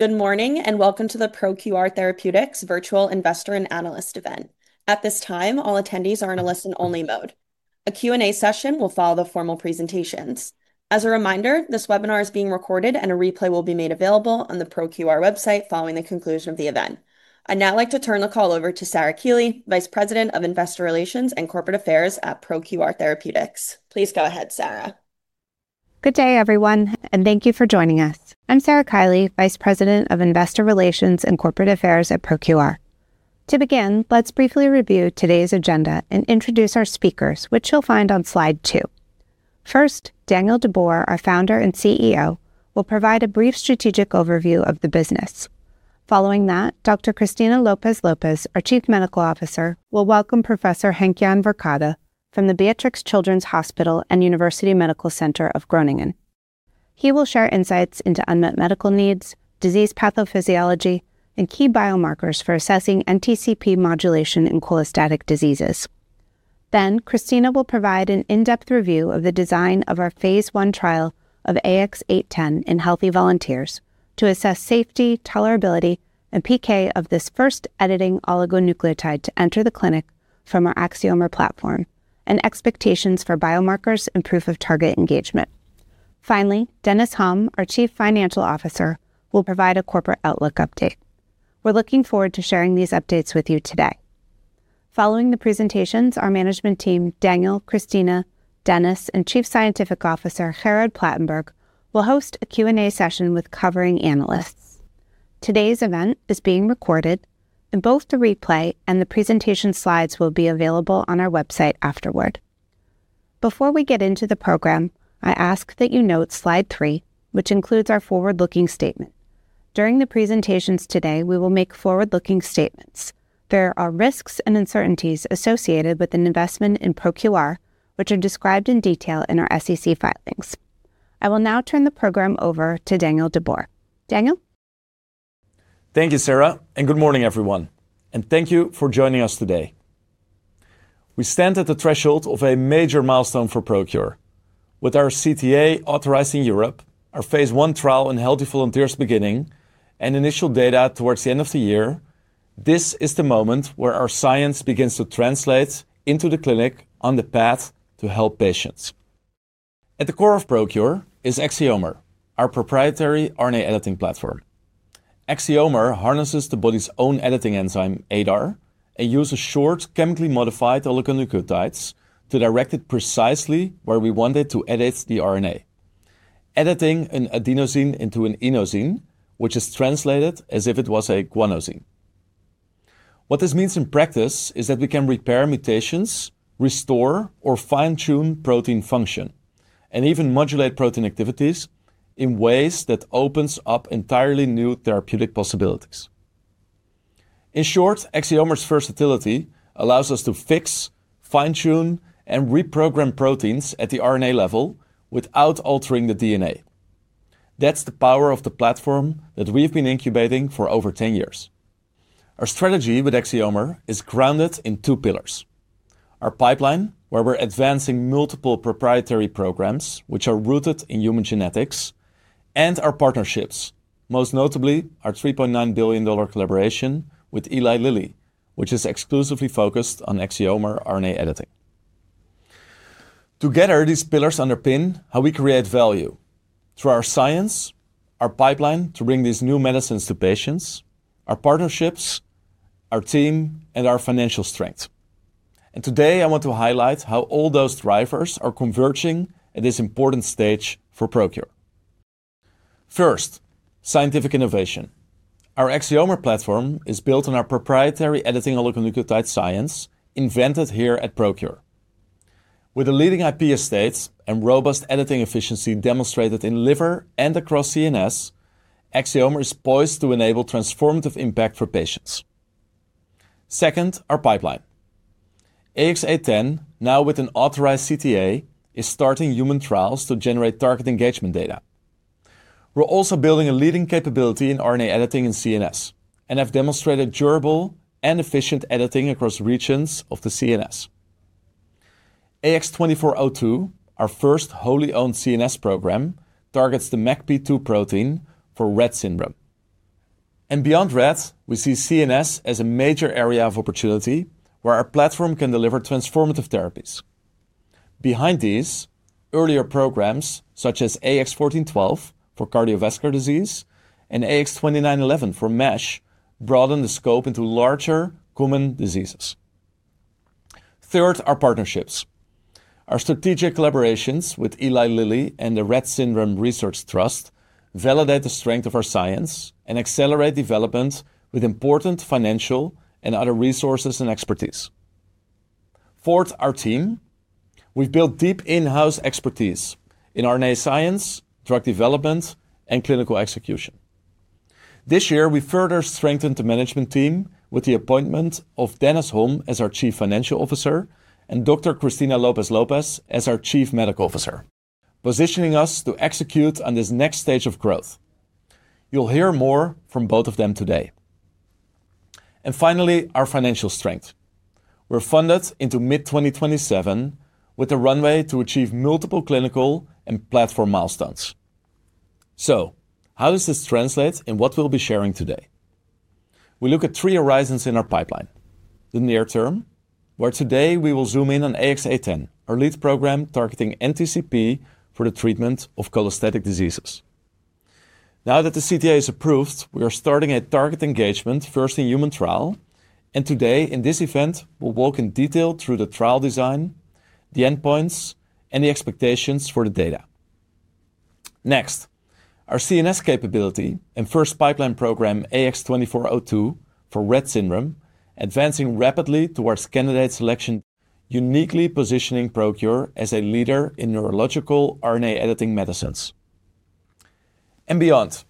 Good morning and welcome to the ProQR Therapeutics virtual investor and analyst event. At this time, all attendees are in a listen-only mode. A Q&A session will follow the formal presentations. As a reminder, this webinar is being recorded and a replay will be made available on the ProQR website following the conclusion of the event. I'd now like to turn the call over to Sarah Kiely, Vice President of Investor Relations and Corporate Affairs at ProQR Therapeutics. Please go ahead, Sarah. Good day, everyone, and thank you for joining us. I'm Sarah Kiely, Vice President of Investor Relations and Corporate Affairs at ProQR. To begin, let's briefly review today's agenda and introduce our speakers, which you'll find on slide two. First, Daniel de Boer, our Founder and CEO, will provide a brief strategic overview of the business. Following that, Dr. Cristina Lopez Lopez, our Chief Medical Officer, will welcome Professor Henkjan Verkade from the Beatrix Children's Hospital and University Medical Center Groningen. He will share insights into unmet medical needs, disease pathophysiology, and key biomarkers for assessing NTCP modulation in cholestatic diseases. Then, Cristina will provide an in-depth review of the design of our phase I trial of AX-0810 in healthy volunteers to assess safety, tolerability, and PK of this first-editing oligonucleotide to enter the clinic from our Axiomer RNA editing platform and expectations for biomarkers and proof of target engagement. Finally, Dennis Hom, our Chief Financial Officer, will provide a corporate outlook update. We're looking forward to sharing these updates with you today. Following the presentations, our management team, Daniel, Cristina, Dennis, and Chief Scientific Officer Gerard Platenburg, will host a Q&A session with covering analysts. Today's event is being recorded, and both the replay and the presentation slides will be available on our website afterward. Before we get into the program, I ask that you note slide three, which includes our forward-looking statement. During the presentations today, we will make forward-looking statements. There are risks and uncertainties associated with an investment in ProQR, which are described in detail in our SEC filings. I will now turn the program over to Daniel de Boer. Daniel. Thank you, Sarah, and good morning, everyone, and thank you for joining us today. We stand at the threshold of a major milestone for ProQR. With our CTA authorized in Europe, our phase I trial in healthy volunteers beginning, and initial data towards the end of the year, this is the moment where our science begins to translate into the clinic on the path to help patients. At the core of ProQR is Axiomer, our proprietary RNA editing platform. Axiomer harnesses the body's own editing enzyme, ADAR, and uses short, chemically modified oligonucleotides to direct it precisely where we want it to edit the RNA, editing an adenosine into an inosine, which is translated as if it was a guanosine. What this means in practice is that we can repair mutations, restore or fine-tune protein function, and even modulate protein activities in ways that open up entirely new therapeutic possibilities. In short, Axiomer's versatility allows us to fix, fine-tune, and reprogram proteins at the RNA level without altering the DNA. That is the power of the platform that we have been incubating for over 10 years. Our strategy with Axiomer is grounded in two pillars: our pipeline, where we are advancing multiple proprietary programs which are rooted in human genetics, and our partnerships, most notably our $3.9 billion collaboration with Eli Lilly, which is exclusively focused on Axiomer RNA editing. Together, these pillars underpin how we create value through our science, our pipeline to bring these new medicines to patients, our partnerships, our team, and our financial strength. Today, I want to highlight how all those drivers are converging at this important stage for ProQR. First, scientific innovation. Our Axiomer platform is built on our proprietary editing oligonucleotide science invented here at ProQR. With a leading IP estate and robust editing efficiency demonstrated in liver and across CNS, Axiomer is poised to enable transformative impact for patients. Second, our pipeline. AX-0810, now with an authorized CTA, is starting human trials to generate target engagement data. We are also building a leading capability in RNA editing in CNS and have demonstrated durable and efficient editing across regions of the CNS. AX-2402, our first wholly owned CNS program, targets the MECP2 protein for Rett syndrome. Beyond Rett, we see CNS as a major area of opportunity where our platform can deliver transformative therapies. Behind these, earlier programs such as AX-1412 for cardiovascular disease and AX-2911 for metabolic-associated steatohepatitis broaden the scope into larger common diseases. Third, our partnerships. Our strategic collaborations with Eli Lilly and the Rett Syndrome Research Trust validate the strength of our science and accelerate development with important financial and other resources and expertise. Fourth, our team. We have built deep in-house expertise in RNA science, drug development, and clinical execution. This year, we further strengthened the management team with the appointment of Dennis Hom as our Chief Financial Officer and Dr. Cristina Lopez Lopez as our Chief Medical Officer, positioning us to execute on this next stage of growth. You'll hear more from both of them today. Finally, our financial strength. We're funded into mid-2027 with a runway to achieve multiple clinical and platform milestones. How does this translate in what we'll be sharing today? We look at three horizons in our pipeline: the near term, where today we will zoom in on AX-0810, our lead program targeting NTCP for the treatment of cholestatic diseases. Now that the CTA is approved, we are starting a target engagement first in human trial, and today in this event, we'll walk in detail through the trial design, the endpoints, and the expectations for the data. Next, our CNS capability and first pipeline program, AX-2402 for Rett syndrome, advancing rapidly towards candidate selection, uniquely positioning ProQR as a leader in neurological RNA editing medicines. Beyond,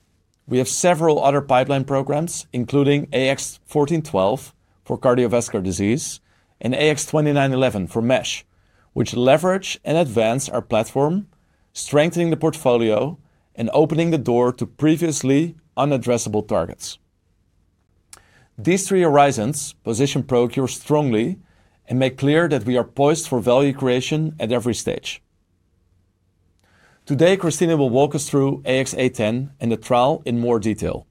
we have several other pipeline programs, including AX-1412 for cardiovascular disease and AX-2911 for MASH, which leverage and advance our platform, strengthening the portfolio and opening the door to previously unaddressable targets. These three horizons position ProQR strongly and make clear that we are poised for value creation at every stage. Today, Cristina will walk us through AX-0810 and the trial in more detail.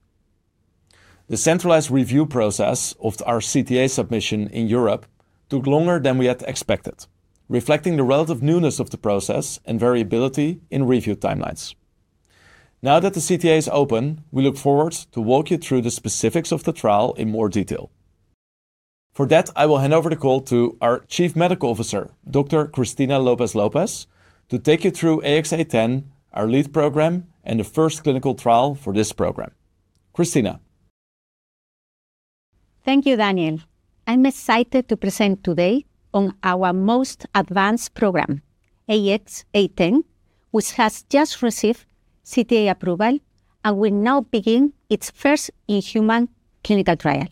The centralized review process of our CTA submission in Europe took longer than we had expected, reflecting the relative newness of the process and variability in review timelines. Now that the CTA is open, we look forward to walk you through the specifics of the trial in more detail. For that, I will hand over the call to our Chief Medical Officer, Dr. Cristina Lopez Lopez, to take you through AX-0810, our lead program, and the first clinical trial for this program. Cristina. Thank you, Daniel. I'm excited to present today on our most advanced program, AX-0810, which has just received CTA approval and will now begin its first in-human clinical trial.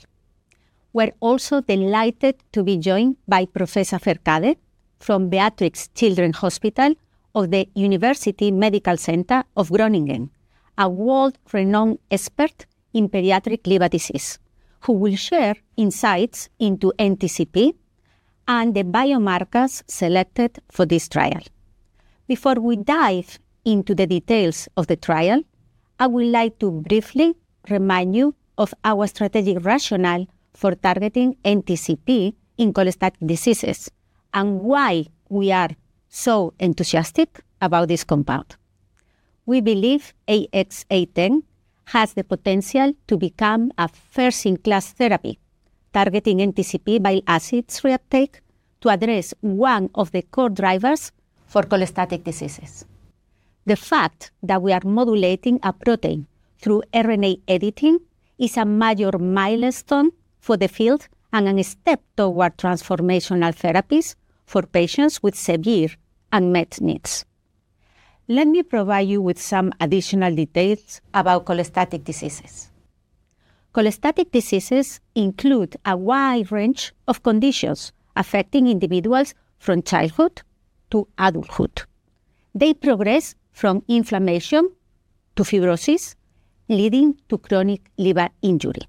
We're also delighted to be joined by Professor Henkjan Verkade from Beatrix Children's Hospital of the University Medical Center Groningen, a world-renowned expert in pediatric liver disease, who will share insights into NTCP and the biomarkers selected for this trial. Before we dive into the details of the trial, I would like to briefly remind you of our strategic rationale for targeting NTCP in cholestatic diseases and why we are so enthusiastic about this compound. We believe AX-0810 has the potential to become a first-in-class therapy targeting NTCP bile acid reuptake to address one of the core drivers for cholestatic diseases. The fact that we are modulating a protein through RNA editing is a major milestone for the field and a step toward transformational therapies for patients with severe and unmet needs. Let me provide you with some additional details about cholestatic diseases. Cholestatic diseases include a wide range of conditions affecting individuals from childhood to adulthood. They progress from inflammation to fibrosis, leading to chronic liver injury.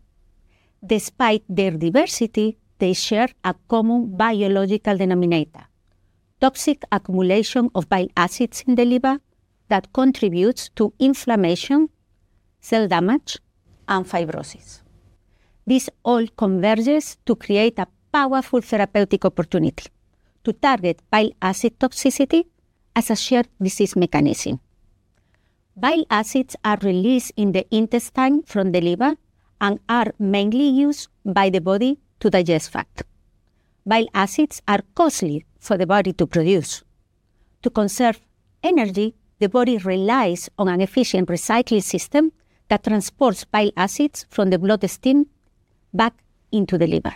Despite their diversity, they share a common biological denominator: toxic accumulation of bile acids in the liver that contributes to inflammation, cell damage, and fibrosis. This all converges to create a powerful therapeutic opportunity to target bile acid toxicity as a shared disease mechanism. Bile acids are released in the intestine from the liver and are mainly used by the body to digest fat. Bile acids are costly for the body to produce. To conserve energy, the body relies on an efficient recycling system that transports bile acids from the bloodstream back into the liver.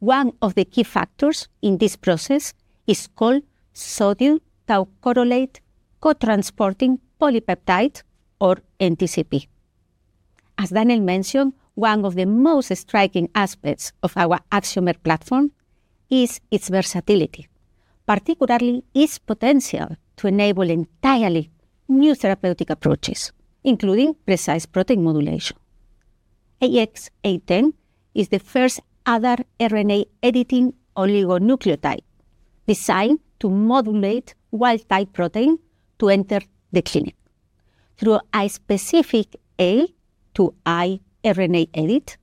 One of the key factors in this process is called sodium taurocholate cotransporting polypeptide, or NTCP. As Daniel mentioned, one of the most striking aspects of our Axiomer RNA editing platform is its versatility, particularly its potential to enable entirely new therapeutic approaches, including precise protein modulation. AX-0810 is the first ever RNA editing oligonucleotide designed to modulate wild-type protein to enter the clinic. Through a specific A-to-I RNA edit,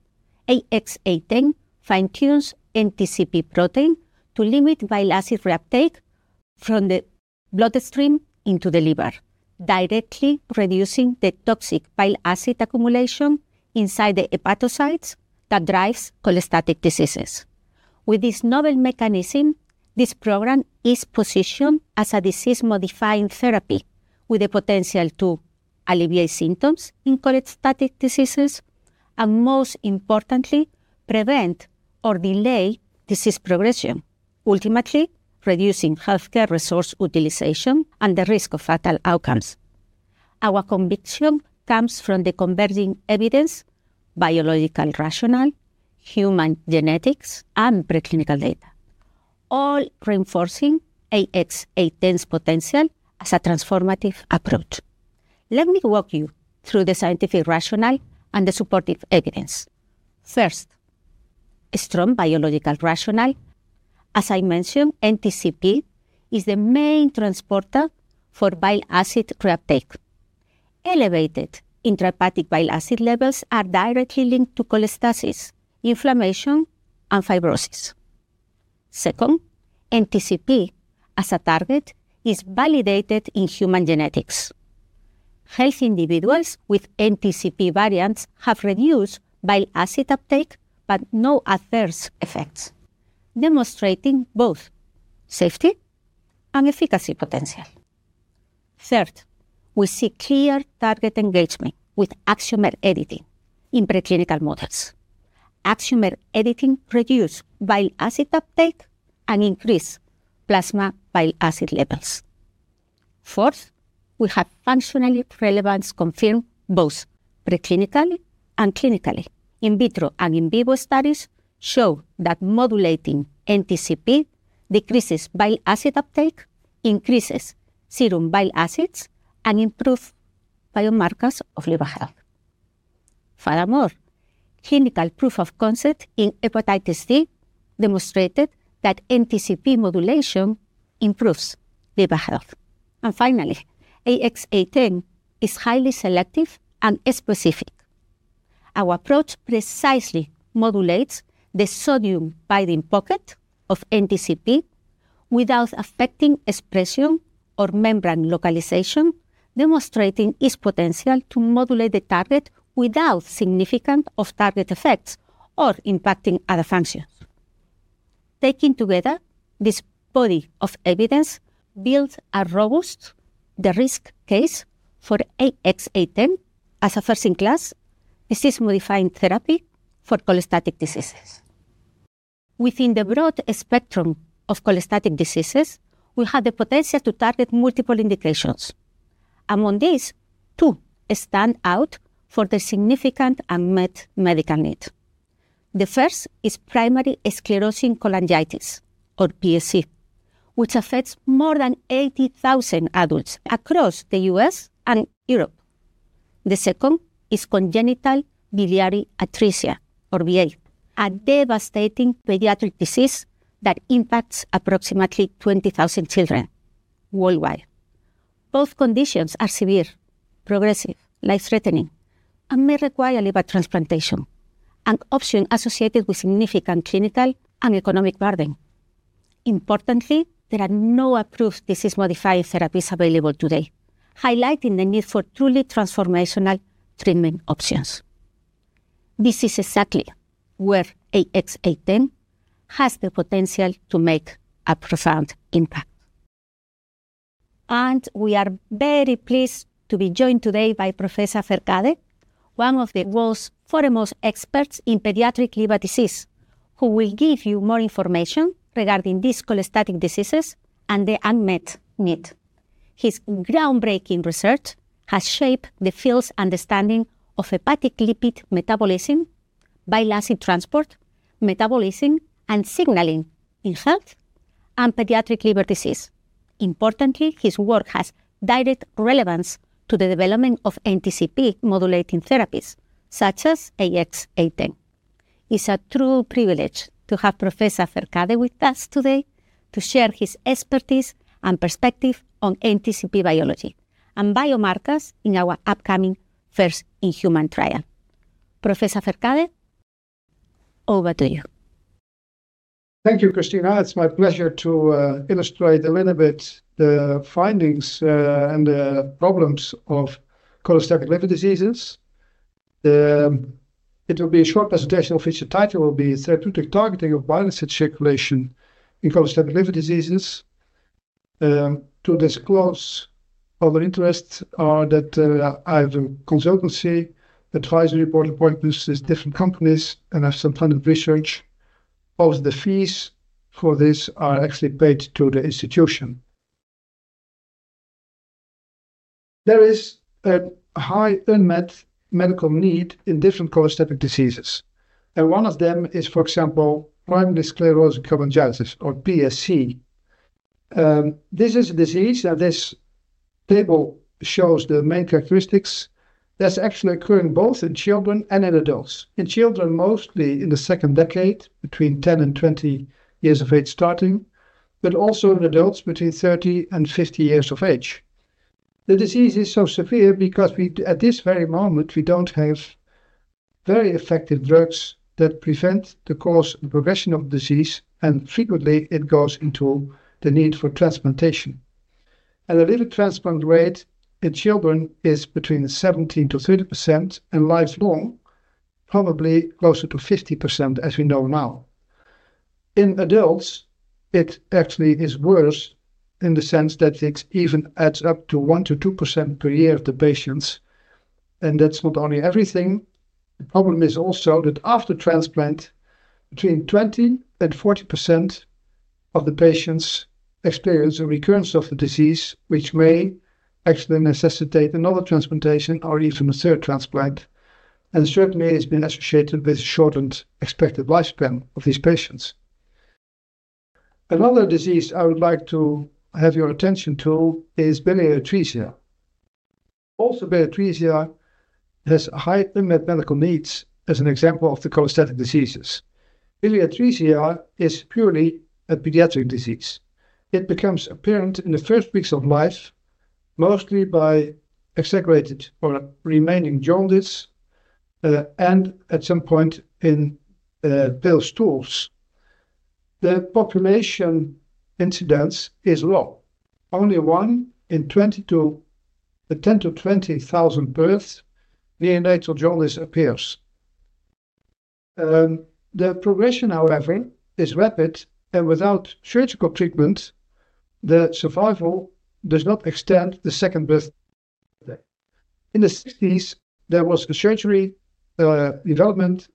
AX-0810 fine-tunes NTCP protein to limit bile acid reuptake from the bloodstream into the liver, directly reducing the toxic bile acid accumulation inside the hepatocytes that drives cholestatic diseases. With this novel mechanism, this program is positioned as a disease-modifying therapy with the potential to alleviate symptoms in cholestatic diseases and, most importantly, prevent or delay disease progression, ultimately reducing healthcare resource utilization and the risk of fatal outcomes. Our conviction comes from the converging evidence, biological rationale, human genetics, and preclinical data, all reinforcing AX-0810's potential as a transformative approach. Let me walk you through the scientific rationale and the supportive evidence. First. Strong biological rationale. As I mentioned, NTCP is the main transporter for bile acid reuptake. Elevated intrahepatic bile acid levels are directly linked to cholestasis, inflammation, and fibrosis. Second, NTCP as a target is validated in human genetics. Healthy individuals with NTCP variants have reduced bile acid uptake but no adverse effects, demonstrating both safety and efficacy potential. Third, we see clear target engagement with Axiomer editing in preclinical models. Axiomer editing reduces bile acid uptake and increases plasma bile acid levels. Fourth, we have functional relevance confirmed both preclinically and clinically. In vitro and in vivo studies show that modulating NTCP decreases bile acid uptake, increases serum bile acids, and improves biomarkers of liver health. Furthermore, clinical proof of concept in hepatitis C demonstrated that NTCP modulation improves liver health. Finally, AX-0810 is highly selective and specific. Our approach precisely modulates the sodium binding pocket of NTCP without affecting expression or membrane localization, demonstrating its potential to modulate the target without significant off-target effects or impacting other functions. Taken together, this body of evidence builds a robust risk case for AX-0810 as a first-in-class disease-modifying therapy for cholestatic diseases. Within the broad spectrum of cholestatic diseases, we have the potential to target multiple indications. Among these, two stand out for their significant and unmet medical need. The first is primary sclerosing cholangitis, or PSC, which affects more than 80,000 adults across the U.S. and Europe. The second is congenital biliary atresia, or BA, a devastating pediatric disease that impacts approximately 20,000 children worldwide. Both conditions are severe, progressive, life-threatening, and may require liver transplantation, an option associated with significant clinical and economic burden. Importantly, there are no approved disease-modifying therapies available today, highlighting the need for truly transformational treatment options. This is exactly where AX-0810 has the potential to make a profound impact. We are very pleased to be joined today by Professor Henkjan Verkade, one of the world's foremost experts in pediatric liver disease, who will give you more information regarding these cholestatic diseases and their unmet need. His groundbreaking research has shaped the field's understanding of hepatic lipid metabolism, bile acid transport, metabolism, and signaling in health and pediatric liver disease. Importantly, his work has direct relevance to the development of NTCP modulating therapies such as AX-0810. It is a true privilege to have Professor Verkade with us today to share his expertise and perspective on NTCP biology and biomarkers in our upcoming first-in-human trial. Professor Verkade, over to you. Thank you, Cristina. It's my pleasure to illustrate a little bit the findings and the problems of cholestatic liver diseases. It will be a short presentation of which the title will be "Therapeutic Targeting of Bile Acid Circulation in Cholestatic Liver Diseases." To this clause, our interests are that I have a consultancy, advisory board appointments with different companies, and I have some funded research. Most of the fees for this are actually paid to the institution. There is a high unmet medical need in different cholestatic diseases. One of them is, for example, primary sclerosing cholangitis, or PSC. This is a disease, and this table shows the main characteristics. That's actually occurring both in children and in adults. In children, mostly in the second decade, between 10 and 20 years of age starting, but also in adults between 30 and 50 years of age. The disease is so severe because at this very moment, we don't have very effective drugs that prevent the course and progression of the disease, and frequently, it goes into the need for transplantation. The liver transplant rate in children is between 17%-30% and lifelong, probably closer to 50% as we know now. In adults, it actually is worse in the sense that it even adds up to 1%-2% per year of the patients. That's not only everything. The problem is also that after transplant, between 20%-40% of the patients experience a recurrence of the disease, which may actually necessitate another transplantation or even a third transplant. Certainly, it's been associated with a shortened expected lifespan of these patients. Another disease I would like to have your attention to is biliary atresia. Also, biliary atresia has high unmet medical needs as an example of the cholestatic diseases. Biliary atresia is purely a pediatric disease. It becomes apparent in the first weeks of life, mostly by exaggerated or remaining jaundice. At some point in pale stools. The population incidence is low. Only one in 10,000-20,000 births, neonatal jaundice appears. The progression, however, is rapid, and without surgical treatment, the survival does not extend the second birth. In the 1960s, there was a surgery development,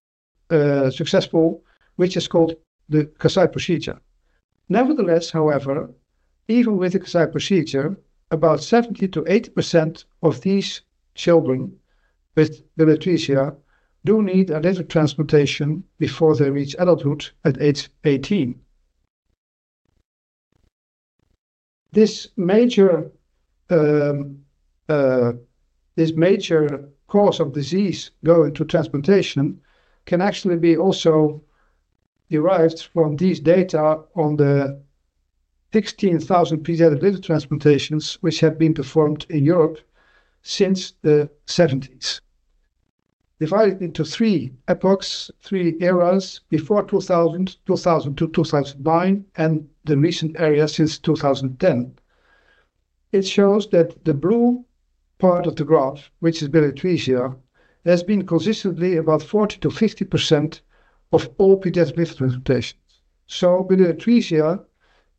successful, which is called the Kasai procedure. Nevertheless, however, even with the Kasai procedure, about 70%-80% of these children with biliary atresia do need a liver transplantation before they reach adulthood at age 18. This major cause of disease going to transplantation can actually be also derived from these data on the 16,000 pediatric liver transplantations which have been performed in Europe since the 1970s. Divided into three epochs, three eras before 2000, 2000-2009, and the recent area since 2010. It shows that the blue part of the graph, which is biliary atresia, has been consistently about 40%-50% of all pediatric liver transplantations. Biliary atresia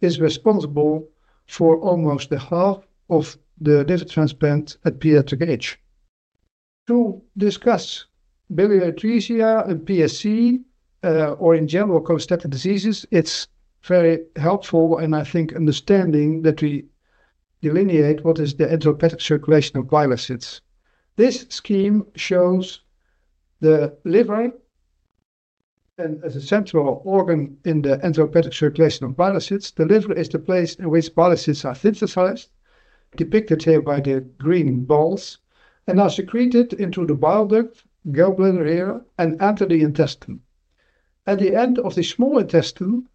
is responsible for almost half of the liver transplant at pediatric age. To discuss biliary atresia and PSC, or in general, cholestatic diseases, it's very helpful, and I think, understanding that we delineate what is the enterohepatic circulation of bile acids. This scheme shows the liver as a central organ in the enterohepatic circulation of bile acids. The liver is the place in which bile acids are synthesized, depicted here by the green balls, and are secreted into the bile duct, gallbladder here, and enter the intestine. At the end of the small intestine,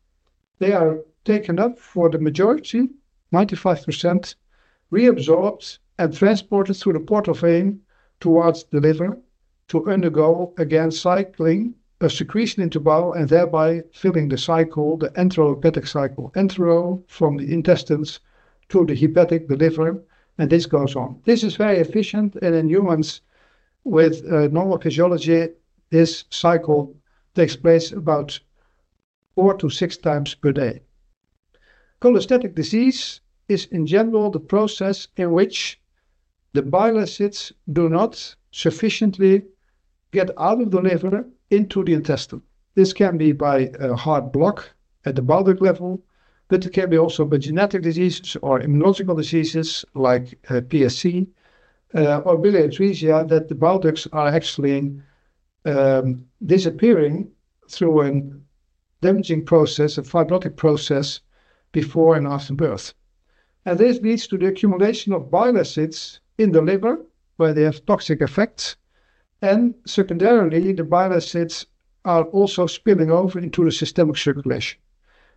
they are taken up for the majority, 95%, reabsorbed and transported through the portal vein towards the liver to undergo, again, cycling of secretion into bile and thereby filling the cycle, the enterohepatic cycle, entero from the intestines to the hepatic, the liver, and this goes on. This is very efficient, and in humans with normal physiology, this cycle takes place about four to six times per day. Cholestatic disease is, in general, the process in which the bile acids do not sufficiently get out of the liver into the intestine. This can be by a hard block at the bile duct level, but it can be also by genetic diseases or immunological diseases like PSC or biliary atresia, that the bile ducts are actually disappearing through a damaging process, a fibrotic process, before and after birth. And this leads to the accumulation of bile acids in the liver, where they have toxic effects. And secondarily, the bile acids are also spilling over into the systemic circulation.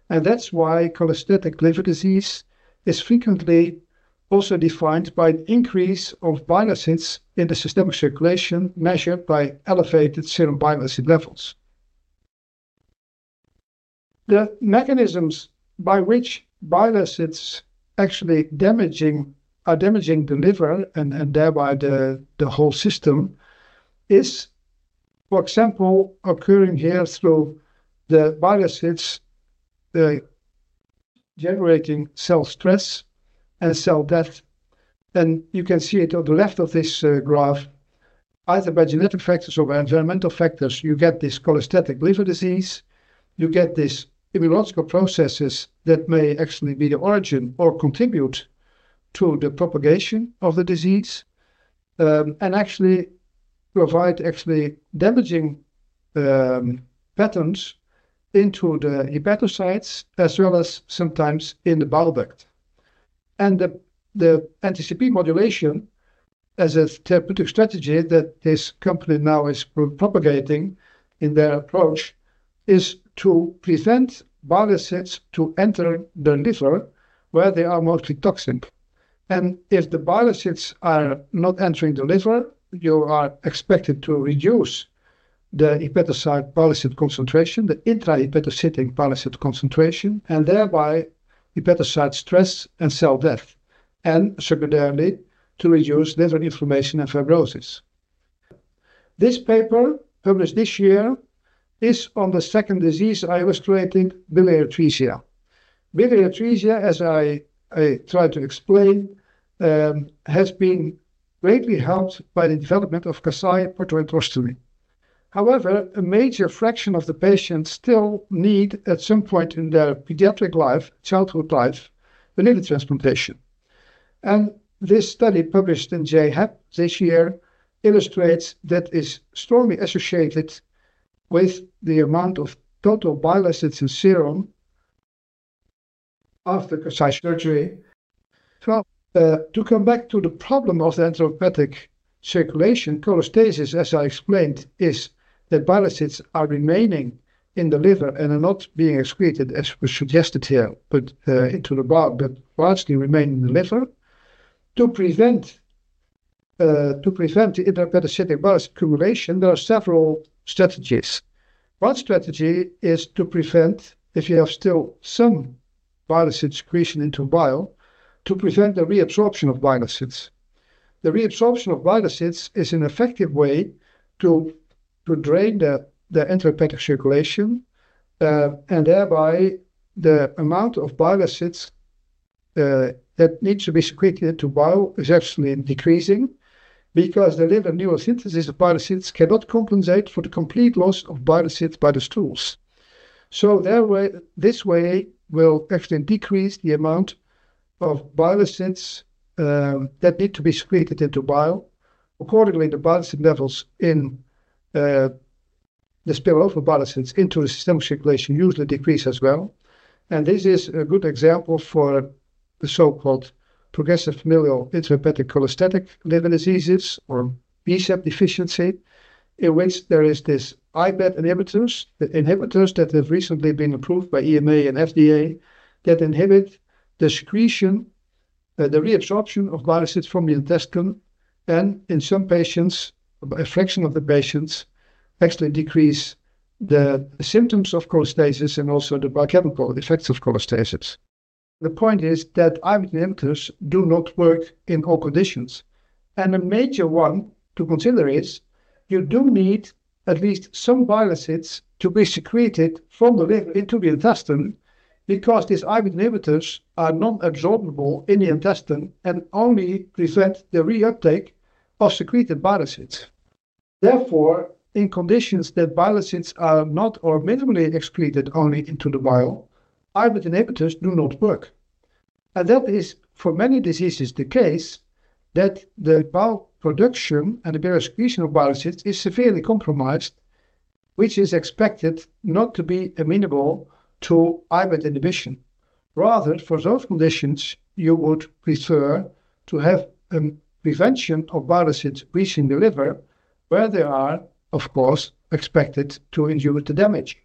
That's why cholestatic liver disease is frequently also defined by an increase of bile acids in the systemic circulation measured by elevated serum bile acid levels. The mechanisms by which bile acids actually are damaging the liver and thereby the whole system is, for example, occurring here through the bile acids generating cell stress and cell death. You can see it on the left of this graph. Either by genetic factors or by environmental factors, you get this cholestatic liver disease. You get these immunological processes that may actually be the origin or contribute to the propagation of the disease and actually provide actually damaging patterns into the hepatocytes, as well as sometimes in the bile duct. The NTCP modulation, as a therapeutic strategy that this company now is propagating in their approach, is to prevent bile acids from entering the liver, where they are mostly toxic. If the bile acids are not entering the liver, you are expected to reduce the hepatocyte bile acid concentration, the intrahepatocytic bile acid concentration, and thereby hepatocyte stress and cell death, and secondarily, to reduce liver inflammation and fibrosis. This paper, published this year, is on the second disease I illustrated, biliary atresia. Biliary atresia, as I tried to explain, has been greatly helped by the development of Kasai portoenterostomy. However, a major fraction of the patients still need, at some point in their pediatric life, childhood life, a liver transplantation. This study published in JHEP this year illustrates that it is strongly associated with the amount of total bile acids in serum after Kasai surgery. To come back to the problem of the enterohepatic circulation, cholestasis, as I explained, is that bile acids are remaining in the liver and are not being excreted, as was suggested here, but into the bile duct, but largely remain in the liver. To prevent the enterohepatic bile acid accumulation, there are several strategies. One strategy is to prevent, if you have still some bile acid secretion into bile, to prevent the reabsorption of bile acids. The reabsorption of bile acids is an effective way to drain the enterohepatic circulation, and thereby the amount of bile acids that need to be secreted into bile is actually decreasing because the liver neurosynthesis of bile acids cannot compensate for the complete loss of bile acids by the stools. This way will actually decrease the amount of bile acids that need to be secreted into bile. Accordingly, the bile acid levels in the spillover bile acids into the systemic circulation usually decrease as well. This is a good example for the so-called progressive familial intrahepatic cholestatic liver diseases, or BSEP deficiency, in which there is this IBAT inhibitors, the inhibitors that have recently been approved by EMA and FDA, that inhibit the reabsorption of bile acids from the intestine. In some patients, a fraction of the patients actually decrease the symptoms of cholestasis and also the biochemical effects of cholestasis. The point is that IBAT inhibitors do not work in all conditions. A major one to consider is you do need at least some bile acids to be secreted from the liver into the intestine because these IBAT inhibitors are non-absorbable in the intestine and only prevent the reuptake of secreted bile acids. Therefore, in conditions that bile acids are not or minimally excreted only into the bile, IBAT inhibitors do not work. That is, for many diseases, the case that the bile production and the bile excretion of bile acids is severely compromised, which is expected not to be amenable to IBAT inhibition. Rather, for those conditions, you would prefer to have a prevention of bile acid reaching the liver, where they are, of course, expected to endure the damage.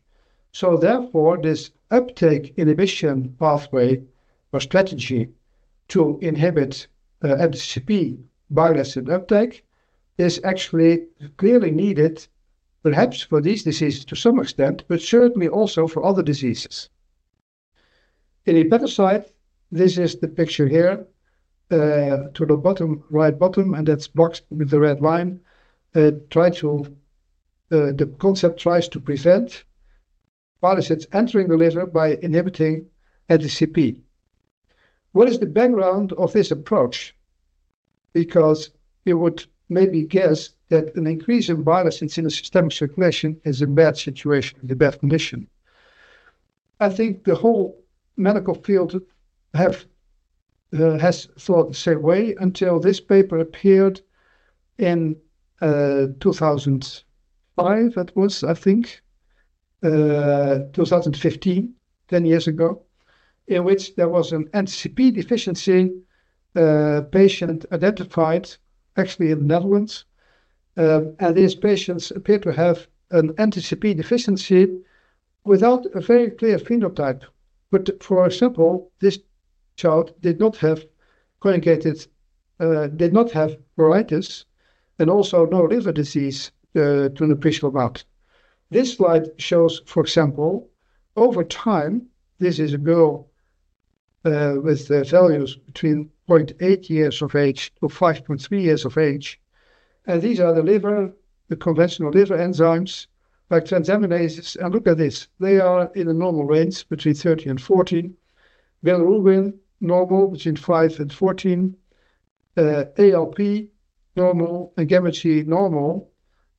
Therefore, this uptake inhibition pathway or strategy to inhibit NTCP bile acid uptake is actually clearly needed, perhaps for these diseases to some extent, but certainly also for other diseases. In hepatocyte, this is the picture here to the bottom right bottom, and that is boxed with the red line. The concept tries to prevent bile acids entering the liver by inhibiting NTCP. What is the background of this approach? Because you would maybe guess that an increase in bile acids in the systemic circulation is a bad situation, a bad condition. I think the whole medical field has thought the same way until this paper appeared in. 2005, I think. 2015, 10 years ago, in which there was an NTCP deficiency. Patient identified, actually in the Netherlands. These patients appear to have an NTCP deficiency without a very clear phenotype. For example, this child did not have cholestasis, did not have pruritus, and also no liver disease to an appreciable amount. This slide shows, for example, over time, this is a girl with values between 0.8 years of age to 5.3 years of age. These are the conventional liver enzymes by transaminases. Look at this. They are in the normal range between 30 and 40. Bilirubin normal between 5 and 14. ALP normal and Gamma G normal.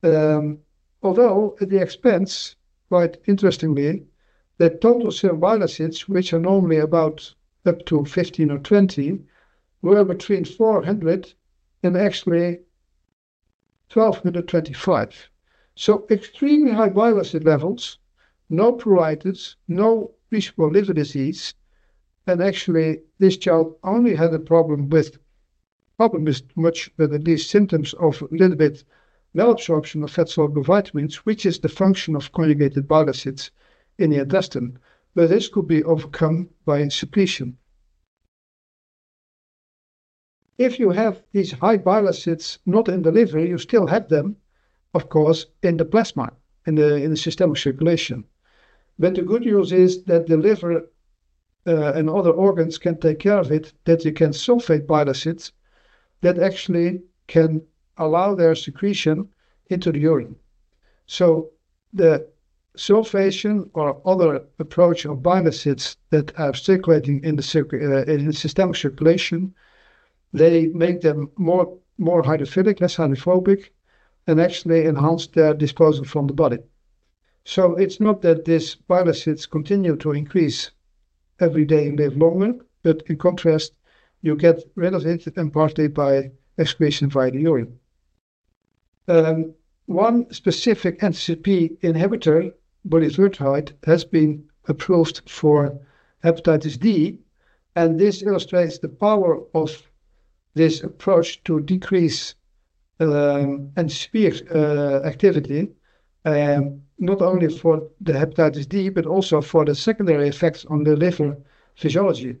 Although at the expense, quite interestingly, the total serum bile acids, which are normally about up to 15 or 20, were between 400 and actually 1,225. Extremely high bile acid levels, no pruritus, no appreciable liver disease. Actually, this child only had a problem with these symptoms of a little bit malabsorption of fat soluble vitamins, which is the function of conjugated bile acids in the intestine. This could be overcome by secretion. If you have these high bile acids not in the liver, you still have them, of course, in the plasma, in the systemic circulation. The good news is that the liver and other organs can take care of it, that you can sulfate bile acids that actually can allow their secretion into the urine. The sulfation or other approach of bile acids that are circulating in the systemic circulation, they make them more hydrophilic, less hydrophobic, and actually enhance their disposal from the body. It is not that these bile acids continue to increase every day and live longer, but in contrast, you get rid of it in partly by excretion via the urine. One specific NTCP inhibitor, Bulevirtide, has been approved for hepatitis D, and this illustrates the power of this approach to decrease NTCP activity. Not only for the hepatitis D, but also for the secondary effects on the liver physiology.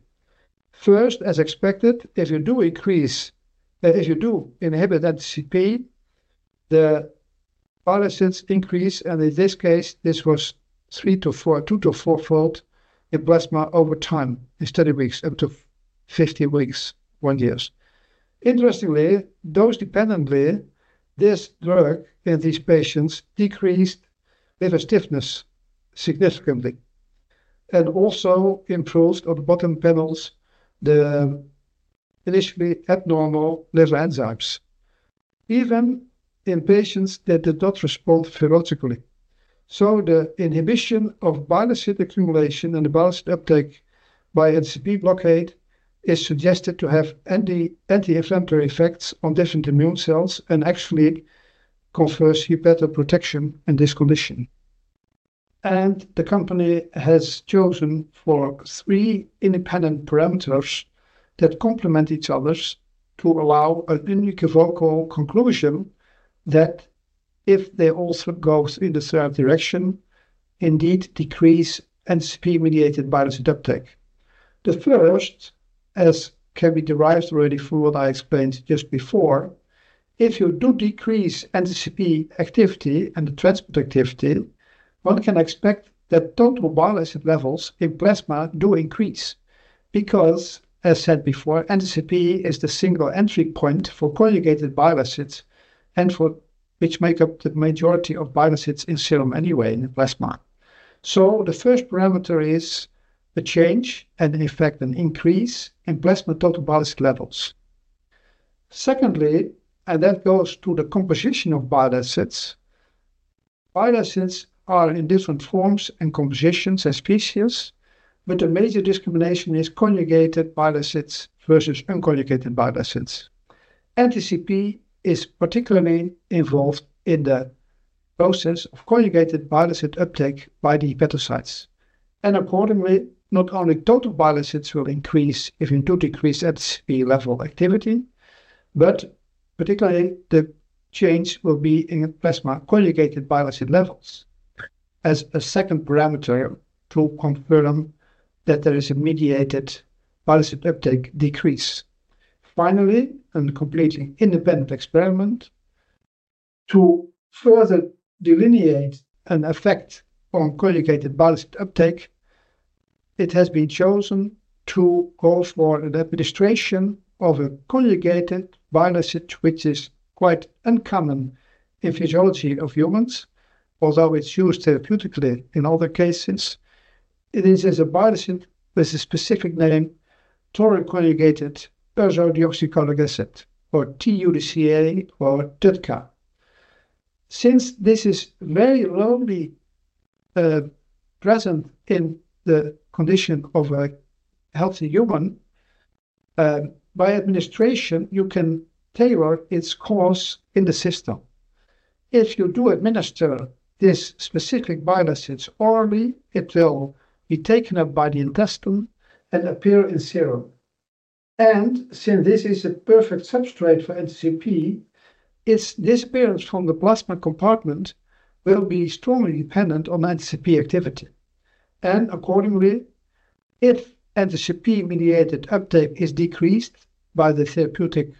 First, as expected, if you do inhibit NTCP, the bile acids increase, and in this case, this was two- to four-fold in plasma over time, in study weeks, up to 50 weeks, one year. Interestingly, dose-dependently, this drug in these patients decreased liver stiffness significantly and also improved on the bottom panels, the initially abnormal liver enzymes, even in patients that did not respond physiologically. The inhibition of bile acid accumulation and the bile acid uptake by NTCP blockade is suggested to have anti-inflammatory effects on different immune cells and actually confers hepatoprotection in this condition. The company has chosen for three independent parameters that complement each other to allow a unique focal conclusion that if they also go in the third direction, indeed decrease NTCP-mediated bile acid uptake. The first. As can be derived already from what I explained just before, if you do decrease NTCP activity and the transport activity, one can expect that total bile acid levels in plasma do increase. Because, as said before, NTCP is the single entry point for conjugated bile acids, which make up the majority of bile acids in serum anyway in the plasma. The first parameter is the change and, in effect, an increase in plasma total bile acid levels. Secondly, and that goes to the composition of bile acids. Bile acids are in different forms and compositions and species, but the major discrimination is conjugated bile acids versus unconjugated bile acids. NTCP is particularly involved in the process of conjugated bile acid uptake by the hepatocytes. Accordingly, not only total bile acids will increase if you do decrease NTCP level activity, but particularly the change will be in plasma conjugated bile acid levels as a second parameter to confirm that there is a mediated bile acid uptake decrease. Finally, and completely independent experiment, to further delineate an effect on conjugated bile acid uptake. It has been chosen to go for an administration of a conjugated bile acid, which is quite uncommon in physiology of humans, although it is used therapeutically in other cases. It is a bile acid with a specific name, tauroursodeoxycholic acid, or TUDCA. Since this is very rarely present in the condition of a healthy human, by administration, you can tailor its course in the system. If you do administer this specific bile acid orally, it will be taken up by the intestine and appear in serum. Since this is a perfect substrate for NTCP, its disappearance from the plasma compartment will be strongly dependent on NTCP activity. Accordingly, if NTCP-mediated uptake is decreased by the therapeutic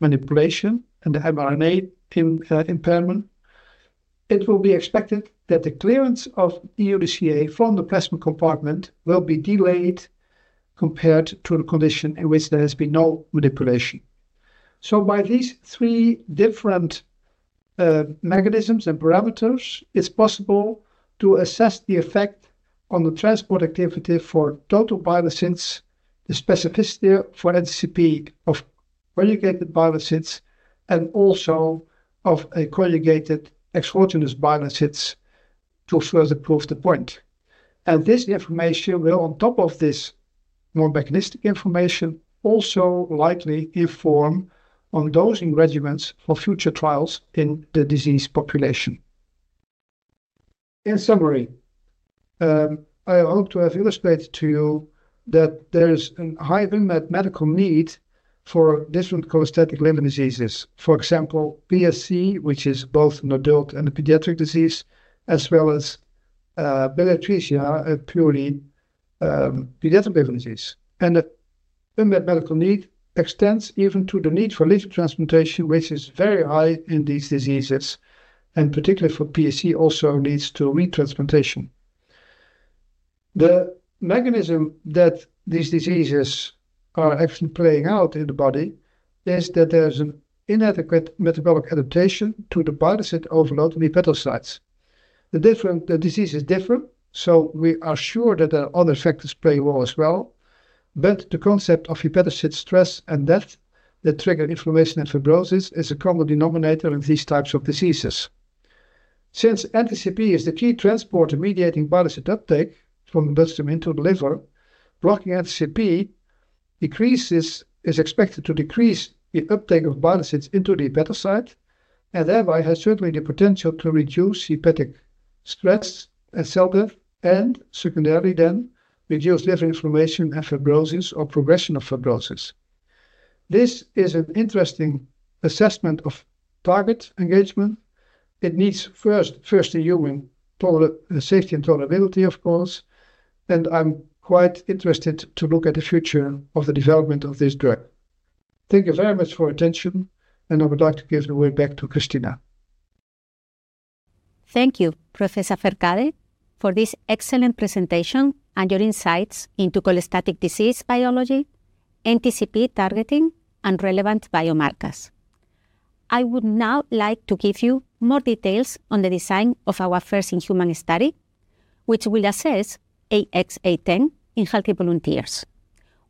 manipulation and the mRNA impairment, it will be expected that the clearance of TUDCA from the plasma compartment will be delayed compared to the condition in which there has been no manipulation. By these three different mechanisms and parameters, it is possible to assess the effect on the transport activity for total bile acids, the specificity for NTCP of conjugated bile acids, and also of a conjugated exogenous bile acid to further prove the point. This information will, on top of this more mechanistic information, also likely inform on dosing regimens for future trials in the disease population. In summary, I hope to have illustrated to you that there is a high unmet medical need for different cholestatic liver diseases. For example, PSC, which is both an adult and a pediatric disease, as well as biliary atresia, a purely pediatric liver disease. The unmet medical need extends even to the need for liver transplantation, which is very high in these diseases, and particularly for PSC also leads to retransplantation. The mechanism that these diseases are actually playing out in the body is that there is an inadequate metabolic adaptation to the bile acid overload in hepatocytes. The disease is different, so we are sure that there are other factors playing a role as well. The concept of hepatocyte stress and death that trigger inflammation and fibrosis is a common denominator in these types of diseases. Since NTCP is the key transport-mediating bile acid uptake from the bloodstream into the liver, blocking NTCP is expected to decrease the uptake of bile acids into the hepatocyte and thereby has certainly the potential to reduce hepatic stress and cell death and, secondarily, then reduce liver inflammation and fibrosis or progression of fibrosis. This is an interesting assessment of target engagement. It needs first in human. Safety and tolerability, of course. I am quite interested to look at the future of the development of this drug. Thank you very much for your attention, and I would like to give the word back to Cristina. Thank you, Professor Verkade, for this excellent presentation and your insights into cholestatic disease biology, NTCP targeting, and relevant biomarkers. I would now like to give you more details on the design of our first in-human study, which will assess AX-0810 in healthy volunteers.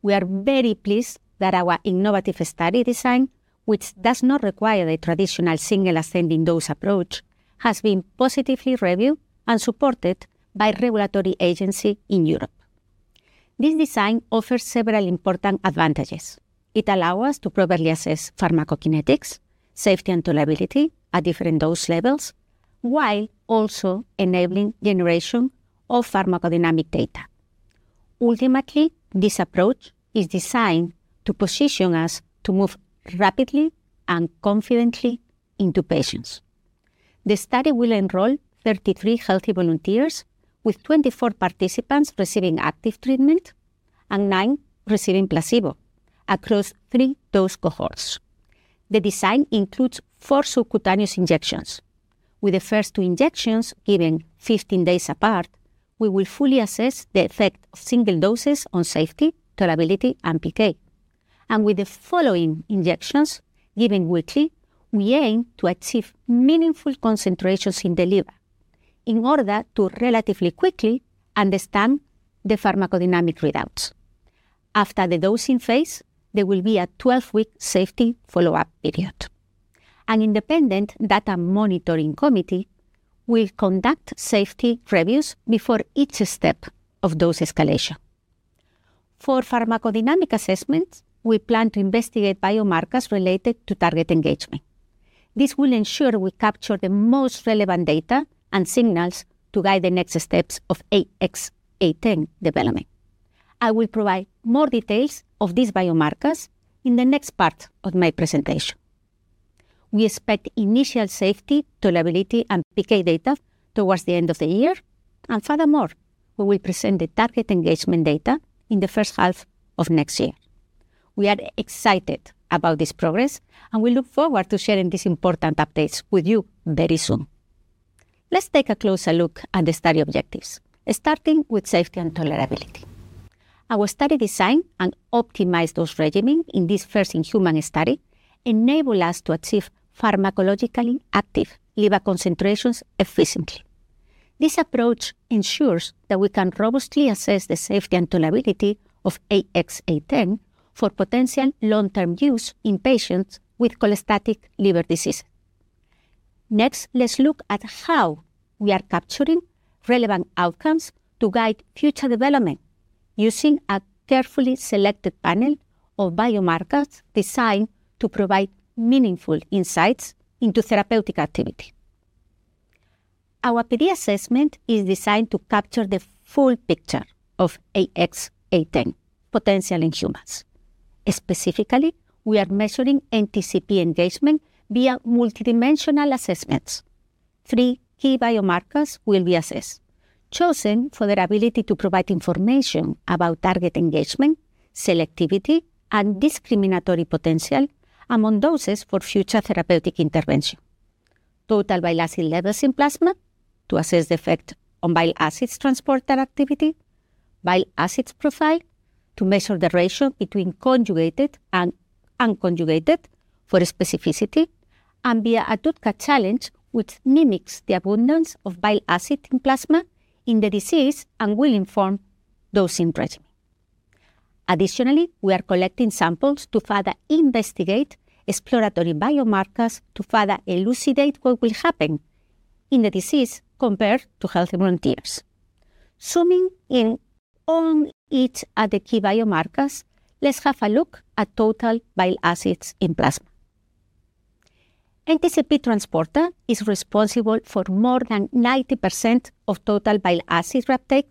We are very pleased that our innovative study design, which does not require a traditional single ascending dose approach, has been positively reviewed and supported by regulatory agencies in Europe. This design offers several important advantages. It allows us to properly assess pharmacokinetics, safety, and tolerability at different dose levels, while also enabling generation of pharmacodynamic data. Ultimately, this approach is designed to position us to move rapidly and confidently into patients. The study will enroll 33 healthy volunteers, with 24 participants receiving active treatment and nine receiving placebo across three dose cohorts. The design includes four subcutaneous injections. With the first two injections given 15 days apart, we will fully assess the effect of single doses on safety, tolerability, and PK. With the following injections given weekly, we aim to achieve meaningful concentrations in the liver in order to relatively quickly understand the pharmacodynamic readouts. After the dosing phase, there will be a 12-week safety follow-up period. An independent data monitoring committee will conduct safety reviews before each step of dose escalation. For pharmacodynamic assessments, we plan to investigate biomarkers related to target engagement. This will ensure we capture the most relevant data and signals to guide the next steps of AX-0810 development. I will provide more details of these biomarkers in the next part of my presentation. We expect initial safety, tolerability, and PK data towards the end of the year. Furthermore, we will present the target engagement data in the first half of next year. We are excited about this progress, and we look forward to sharing these important updates with you very soon. Let's take a closer look at the study objectives, starting with safety and tolerability. Our study design and optimized dose regimen in this first in-human study enables us to achieve pharmacologically active liver concentrations efficiently. This approach ensures that we can robustly assess the safety and tolerability of AX-0810 for potential long-term use in patients with cholestatic liver disease. Next, let's look at how we are capturing relevant outcomes to guide future development using a carefully selected panel of biomarkers designed to provide meaningful insights into therapeutic activity. Our PD assessment is designed to capture the full picture of AX-0810 potential in humans. Specifically, we are measuring NTCP engagement via multidimensional assessments. Three key biomarkers will be assessed, chosen for their ability to provide information about target engagement, selectivity, and discriminatory potential among doses for future therapeutic intervention. Total bile acid levels in plasma to assess the effect on bile acid transport activity, bile acid profile to measure the ratio between conjugated and unconjugated for specificity, and via a TUDCA challenge which mimics the abundance of bile acid in plasma in the disease and will inform dosing regimen. Additionally, we are collecting samples to further investigate exploratory biomarkers to further elucidate what will happen in the disease compared to healthy volunteers. Zooming in on each of the key biomarkers, let's have a look at total bile acids in plasma. NTCP transporter is responsible for more than 90% of total bile acid uptake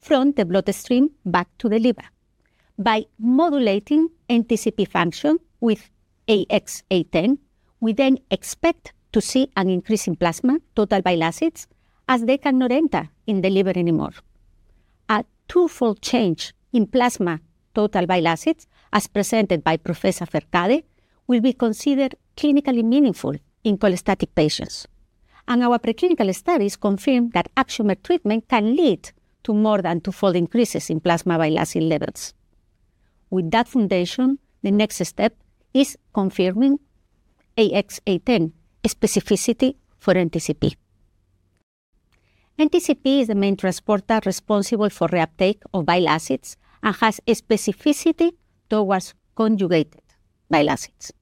from the bloodstream back to the liver. By modulating NTCP function with AX-0810, we then expect to see an increase in plasma total bile acids as they cannot enter in the liver anymore. A twofold change in plasma total bile acids, as presented by Professor Verkade, will be considered clinically meaningful in cholestatic patients. Our preclinical studies confirm that AX-0810 treatment can lead to more than twofold increases in plasma bile acid levels. With that foundation, the next step is confirming AX-0810 specificity for NTCP. NTCP is the main transporter responsible for reuptake of bile acids and has a specificity towards conjugated bile acids.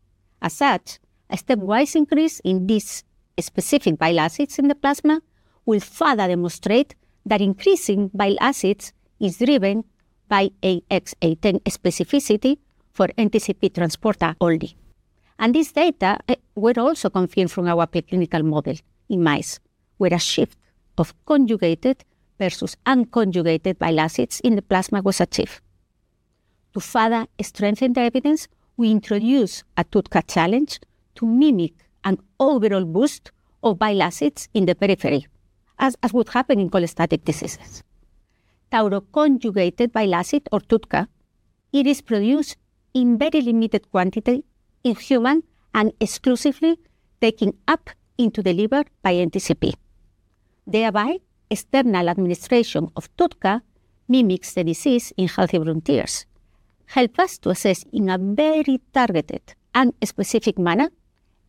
As such, a stepwise increase in these specific bile acids in the plasma will further demonstrate that increasing bile acids is driven by AX-0810 specificity for NTCP transporter only. This data was also confirmed from our preclinical model in mice, where a shift of conjugated versus unconjugated bile acids in the plasma was achieved. To further strengthen the evidence, we introduce a TUDCA challenge to mimic an overall boost of bile acids in the periphery, as would happen in cholestatic diseases. Tauro-conjugated bile acid, or TUDCA, is produced in very limited quantity in humans and exclusively taken up into the liver by NTCP. Thereby, external administration of TUDCA mimics the disease in healthy volunteers, helping us to assess in a very targeted and specific manner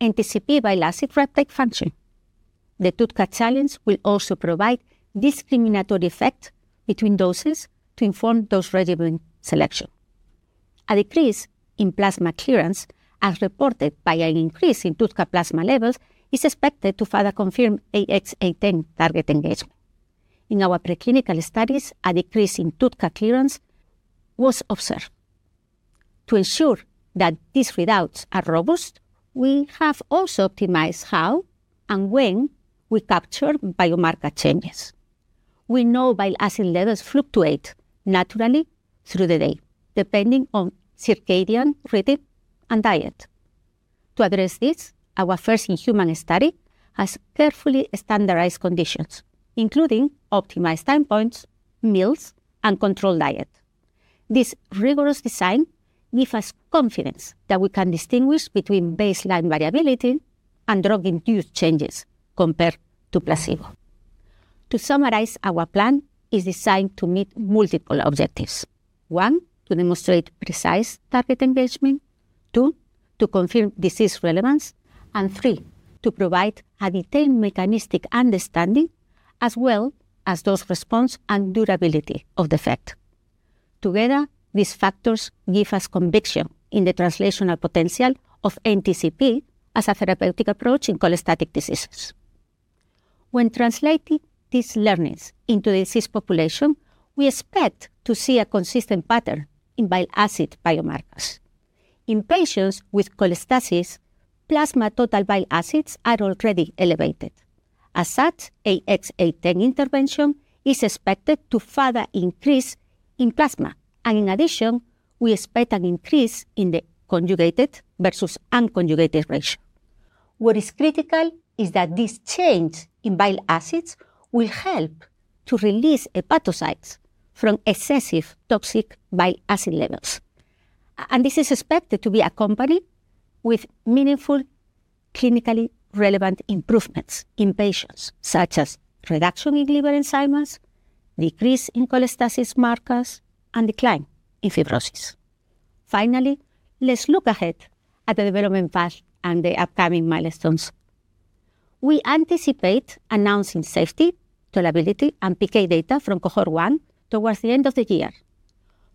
NTCP bile acid reuptake function. The TUDCA challenge will also provide a discriminatory effect between doses to inform dose regimen selection. A decrease in plasma clearance, as reported by an increase in TUDCA plasma levels, is expected to further confirm AX-0810 target engagement. In our preclinical studies, a decrease in TUDCA clearance was observed. To ensure that these readouts are robust, we have also optimized how and when we capture biomarker changes. We know bile acid levels fluctuate naturally through the day, depending on circadian rhythm and diet. To address this, our first in-human study has carefully standardized conditions, including optimized time points, meals, and controlled diet. This rigorous design gives us confidence that we can distinguish between baseline variability and drug-induced changes compared to placebo. To summarize, our plan is designed to meet multiple objectives: one, to demonstrate precise target engagement; two, to confirm disease relevance; and three, to provide a detailed mechanistic understanding as well as dose response and durability of the effect. Together, these factors give us conviction in the translational potential of NTCP as a therapeutic approach in cholestatic diseases. When translating these learnings into the disease population, we expect to see a consistent pattern in bile acid biomarkers. In patients with cholestasis, plasma total bile acids are already elevated. As such, AX-0810 intervention is expected to further increase in plasma. In addition, we expect an increase in the conjugated versus unconjugated ratio. What is critical is that this change in bile acids will help to release hepatocytes from excessive toxic bile acid levels. This is expected to be accompanied with meaningful clinically relevant improvements in patients such as reduction in liver enzymes, decrease in cholestasis markers, and decline in fibrosis. Finally, let's look ahead at the development path and the upcoming milestones. We anticipate announcing safety, tolerability, and PK data from cohort one towards the end of the year,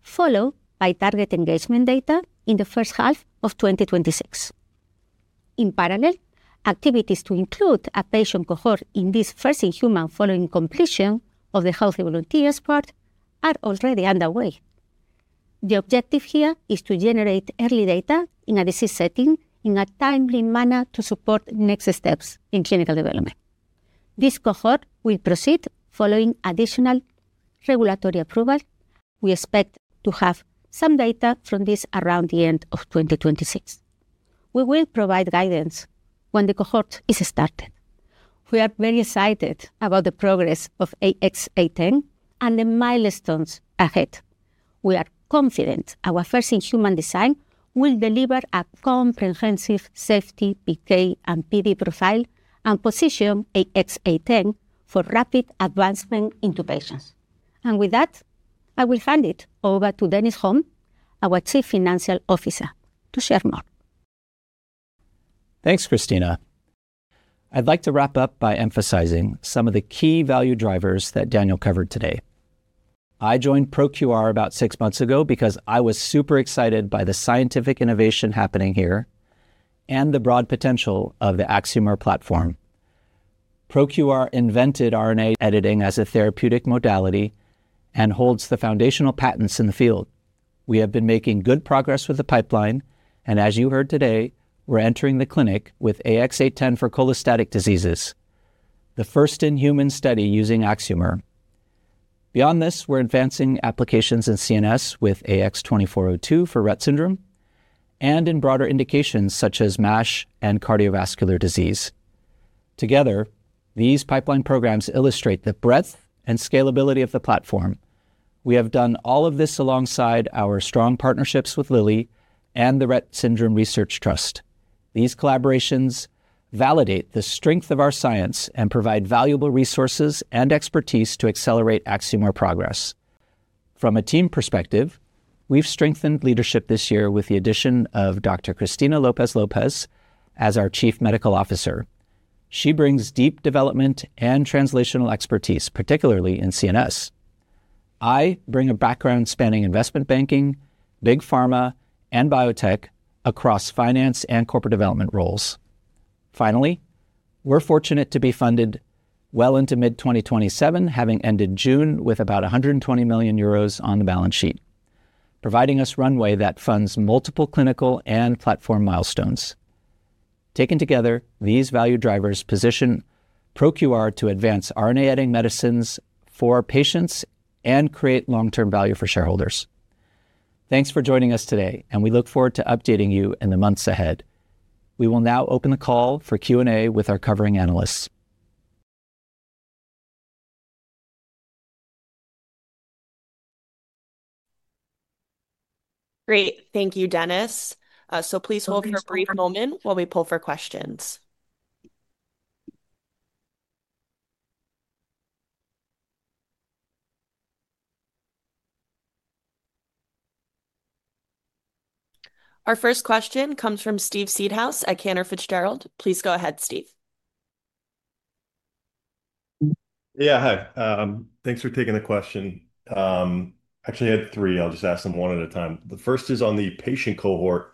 followed by target engagement data in the first half of 2026. In parallel, activities to include a patient cohort in this first in-human following completion of the healthy volunteers part are already underway. The objective here is to generate early data in a disease setting in a timely manner to support next steps in clinical development. This cohort will proceed following additional regulatory approval. We expect to have some data from this around the end of 2026. We will provide guidance when the cohort is started. We are very excited about the progress of AX-0810 and the milestones ahead. We are confident our first in-human design will deliver a comprehensive safety, PK, and PD profile and position AX-0810 for rapid advancement into patients. With that, I will hand it over to Dennis Hom, our Chief Financial Officer, to share more. Thanks, Cristina. I'd like to wrap up by emphasizing some of the key value drivers that Daniel covered today. I joined ProQR about six months ago because I was super excited by the scientific innovation happening here and the broad potential of the Axiomer RNA editing platform. ProQR invented RNA editing as a therapeutic modality and holds the foundational patents in the field. We have been making good progress with the pipeline. As you heard today, we're entering the clinic with AX-0810 for cholestatic diseases, the first in-human study using Axiomer. Beyond this, we're advancing applications in CNS with AX-2402 for Rett syndrome and in broader indications such as MASH and cardiovascular disease. Together, these pipeline programs illustrate the breadth and scalability of the platform. We have done all of this alongside our strong partnerships with Lilly and the Rett Syndrome Research Trust. These collaborations validate the strength of our science and provide valuable resources and expertise to accelerate Axiomer progress. From a team perspective, we've strengthened leadership this year with the addition of Dr. Cristina Lopez Lopez as our Chief Medical Officer. She brings deep development and translational expertise, particularly in CNS. I bring a background spanning investment banking, big pharma, and biotech across finance and corporate development roles. Finally, we're fortunate to be funded well into mid-2027, having ended June with about 120 million euros on the balance sheet, providing us runway that funds multiple clinical and platform milestones. Taken together, these value drivers position ProQR to advance RNA editing medicines for patients and create long-term value for shareholders. Thanks for joining us today, and we look forward to updating you in the months ahead. We will now open the call for Q&A with our covering analysts. Great. Thank you, Dennis. Please hold for a brief moment while we pull for questions. Our first question comes from Steve Seedhouse at Cantor Fitzgerald. Please go ahead, Steve. Yeah, hi. Thanks for taking the question. Actually, I had three. I'll just ask them one at a time. The first is on the patient cohort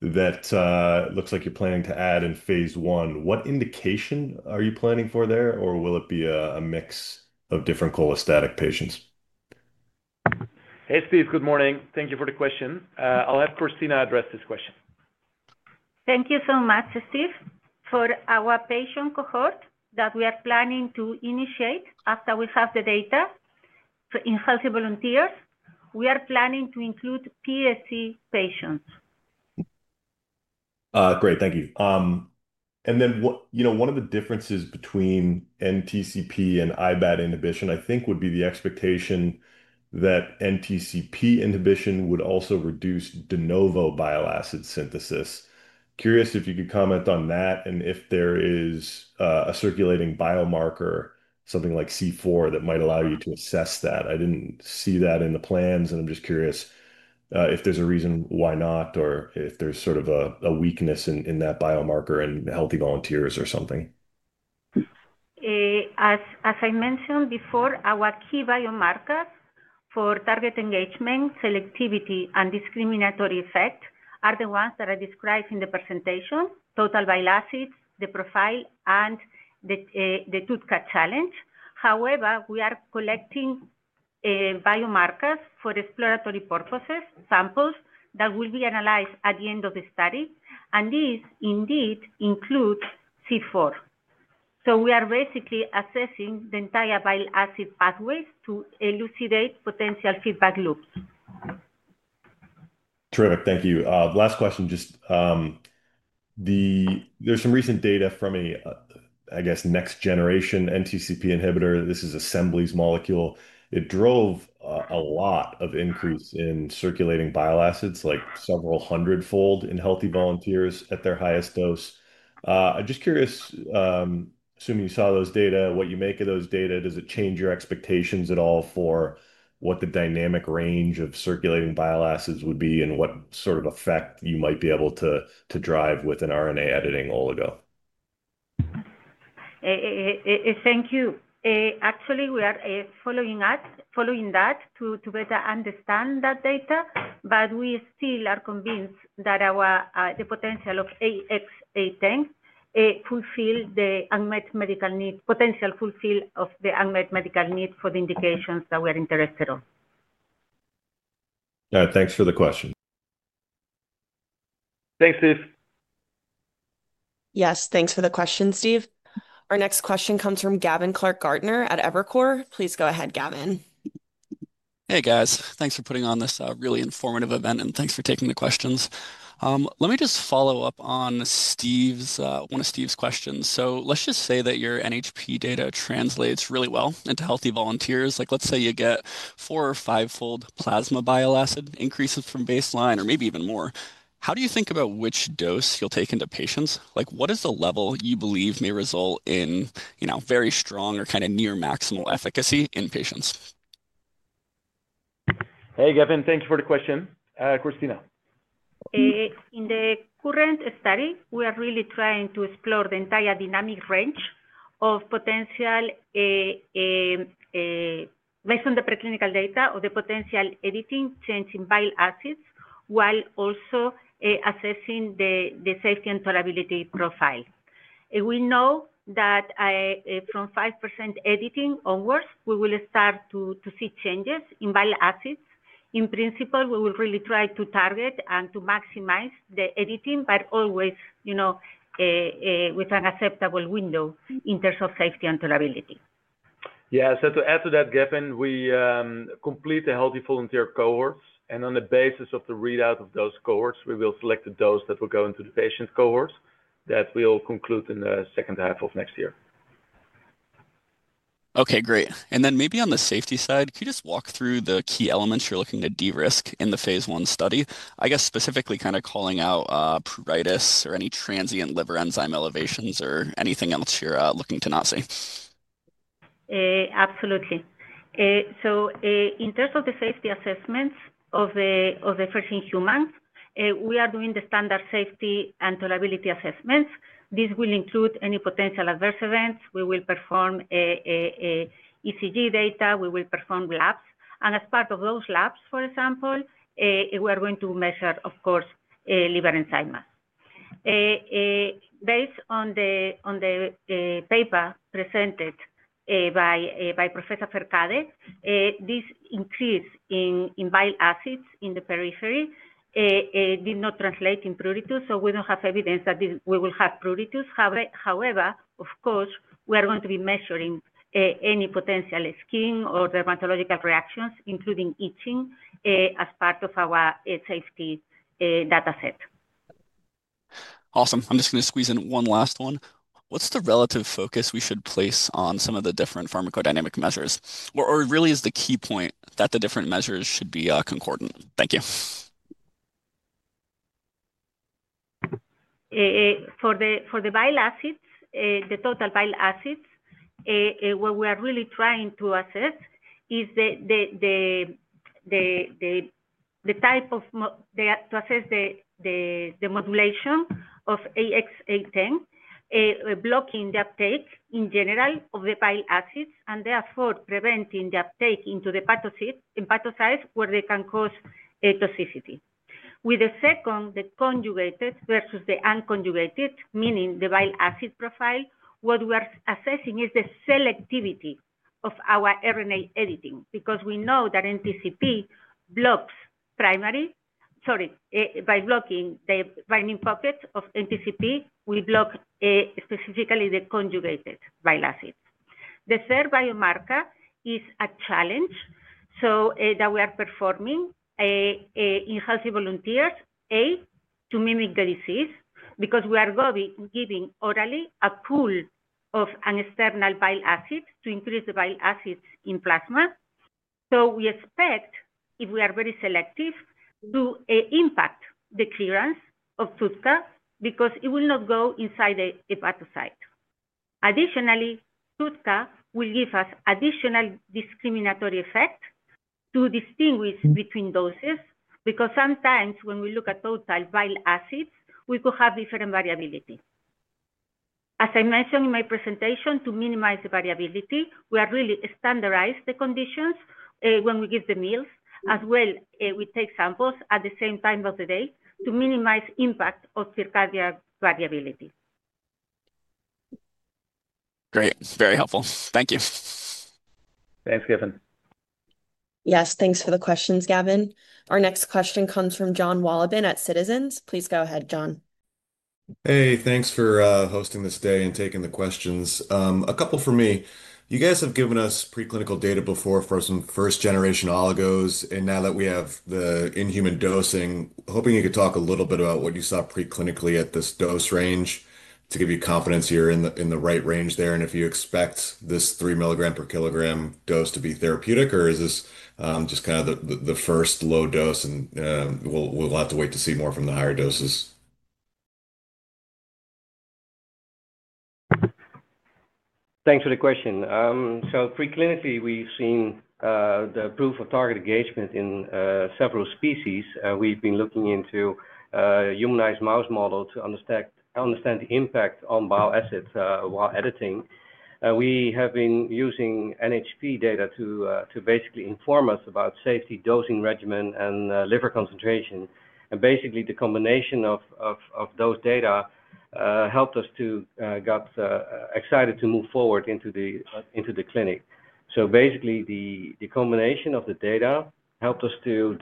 that looks like you're planning to add in phase I. What indication are you planning for there, or will it be a mix of different cholestatic patients? Hey, Steve. Good morning. Thank you for the question. I'll have Cristina address this question. Thank you so much, Steve. For our patient cohort that we are planning to initiate after we have the data in healthy volunteers, we are planning to include PSC patients. Great. Thank you. One of the differences between NTCP and IBAT inhibition, I think, would be the expectation that NTCP inhibition would also reduce de novo bile acid synthesis. Curious if you could comment on that and if there is a circulating biomarker, something like C4, that might allow you to assess that. I didn't see that in the plans, and I'm just curious if there's a reason why not or if there's sort of a weakness in that biomarker in healthy volunteers or something. As I mentioned before, our key biomarkers for target engagement, selectivity, and discriminatory effect are the ones that I described in the presentation: total bile acids, the profile, and the TUDCA challenge. However, we are collecting biomarkers for exploratory purposes, samples that will be analyzed at the end of the study. These indeed include C4. So we are basically assessing the entire bile acid pathways to elucidate potential feedback loops. Terrific. Thank you. Last question. There's some recent data from a, I guess, next-generation NTCP inhibitor. This is Assembly's molecule. It drove a lot of increase in circulating bile acids, like several hundred-fold in healthy volunteers at their highest dose. I'm just curious. Assuming you saw those data, what you make of those data, does it change your expectations at all for what the dynamic range of circulating bile acids would be and what sort of effect you might be able to drive with an RNA editing oligo? Thank you. Actually, we are following that to better understand that data, but we still are convinced that the potential of AX-0810 fulfills the unmet medical need potential fulfilled of the unmet medical need for the indications that we are interested in. Thanks for the question. Thanks, Steve. Yes, thanks for the question, Steve. Our next question comes from Gavin Clark-Gartner at Evercore. Please go ahead, Gavin. Hey, guys. Thanks for putting on this really informative event, and thanks for taking the questions. Let me just follow up on one of Steve's questions. Let's just say that your NHP data translates really well into healthy volunteers. Let's say you get four- or five-fold plasma bile acid increases from baseline or maybe even more. How do you think about which dose you'll take into patients? What is the level you believe may result in very strong or kind of near maximal efficacy in patients? Hey, Gavin. Thank you for the question, Cristina. In the current study, we are really trying to explore the entire dynamic range of potential. Based on the preclinical data, or the potential editing change in bile acids, while also assessing the safety and tolerability profile. We know that from 5% editing onwards, we will start to see changes in bile acids. In principle, we will really try to target and to maximize the editing, but always with an acceptable window in terms of safety and tolerability. Yeah. To add to that, Gavin, we complete the healthy volunteer cohorts. On the basis of the readout of those cohorts, we will select the dose that will go into the patient cohorts that we'll conclude in the second half of next year. Okay, great. Maybe on the safety side, can you just walk through the key elements you're looking to de-risk in the phase I study? I guess specifically kind of calling out pruritus or any transient liver enzyme elevations or anything else you're looking to not see. Absolutely. In terms of the safety assessments of the first in-human, we are doing the standard safety and tolerability assessments. This will include any potential adverse events. We will perform ECG data. We will perform labs. As part of those labs, for example, we are going to measure, of course, liver enzymes. Based on the paper presented by Professor Verkade. This increase in bile acids in the periphery did not translate in pruritus, so we do not have evidence that we will have pruritus. However, of course, we are going to be measuring any potential skin or dermatological reactions, including itching, as part of our safety dataset. Awesome. I am just going to squeeze in one last one. What is the relative focus we should place on some of the different pharmacodynamic measures, or really is the key point that the different measures should be concordant? Thank you. For the bile acids, the total bile acids, what we are really trying to assess is the type of, to assess the modulation of AX-0810, blocking the uptake in general of the bile acids and therefore preventing the uptake into the hepatocytes where they can cause toxicity. With the second, the conjugated versus the unconjugated, meaning the bile acid profile, what we are assessing is the selectivity of our RNA editing because we know that NTCP blocks primary, sorry, by blocking the priming pockets of NTCP, we block specifically the conjugated bile acids. The third biomarker is a challenge that we are performing in healthy volunteers, A, to mimic the disease because we are giving orally a pool of an external bile acid to increase the bile acids in plasma. We expect, if we are very selective, to impact the clearance of TUDCA because it will not go inside the hepatocyte. Additionally, TUDCA will give us additional discriminatory effect to distinguish between doses because sometimes when we look at total bile acids, we could have different variability. As I mentioned in my presentation, to minimize the variability, we are really standardizing the conditions when we give the meals as well. We take samples at the same time of the day to minimize the impact of cardiac variability. Great. Very helpful. Thank you. Thanks, Gavin. Yes, thanks for the questions, Gavin. Our next question comes from Jon Wolleben at Citizens. Please go ahead, Jon. Hey, thanks for hosting this day and taking the questions. A couple for me. You guys have given us preclinical data before for some first-generation oligos. Now that we have the in-human dosing, hoping you could talk a little bit about what you saw preclinically at this dose range to give you confidence you are in the right range there. Do you expect this 3 mg per kg dose to be therapeutic, or is this just kind of the first low dose and we will have to wait to see more from the higher doses? Thanks for the question. Preclinically, we have seen the proof of target engagement in several species. We have been looking into humanized mouse models to understand the impact on bile acids while editing. We have been using NHP data to basically inform us about safety dosing regimen and liver concentration. The combination of those data helped us to get excited to move forward into the clinic. Basically, the combination of the data helped us to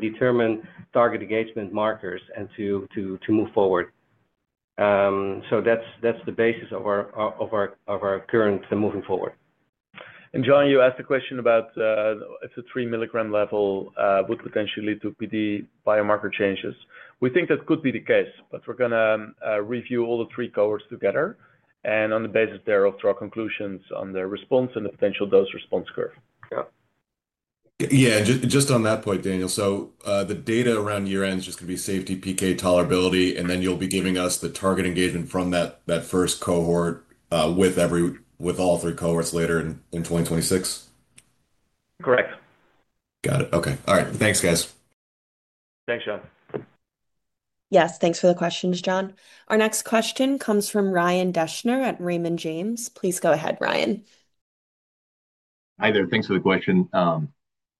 determine target engagement markers and to move forward. That's the basis of our current moving forward. Jon, you asked the question about if the 3 mg level would potentially lead to PD biomarker changes. We think that could be the case, but we're going to review all the three cohorts together and on the basis thereof draw conclusions on the response and the potential dose response curve. Yeah. Just on that point, Daniel. The data around year-end is just going to be safety, PK, tolerability, and then you'll be giving us the target engagement from that first cohort with all three cohorts later in 2026? Correct. Got it. Okay. All right. Thanks, guys. Thanks, Jon. Yes, thanks for the questions, Jon. Our next question comes from Ryan Deschner at Raymond James. Please go ahead, Ryan. Hi there. Thanks for the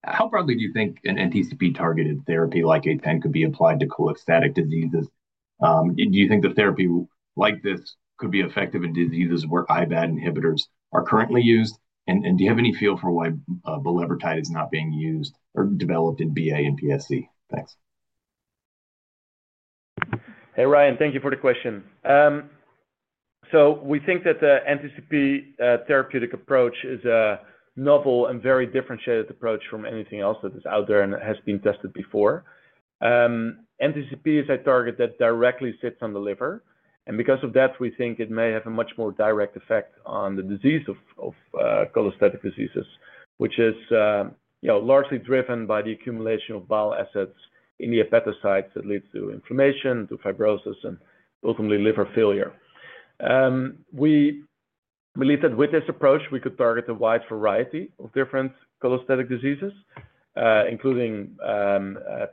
question. How broadly do you think an NTCP-targeted therapy like AX-0810 could be applied to cholestatic diseases? Do you think a therapy like this could be effective in diseases where IBAT inhibitors are currently used? Do you have any feel for why Bulevirtide is not being used or developed in BA and PSC? Thanks. Hey, Ryan. Thank you for the question. We think that the NTCP therapeutic approach is a novel and very differentiated approach from anything else that is out there and has been tested before. NTCP is a target that directly sits on the liver. Because of that, we think it may have a much more direct effect on the disease of cholestatic diseases, which is largely driven by the accumulation of bile acids in the hepatocytes that leads to inflammation, to fibrosis, and ultimately liver failure. We believe that with this approach, we could target a wide variety of different cholestatic diseases, including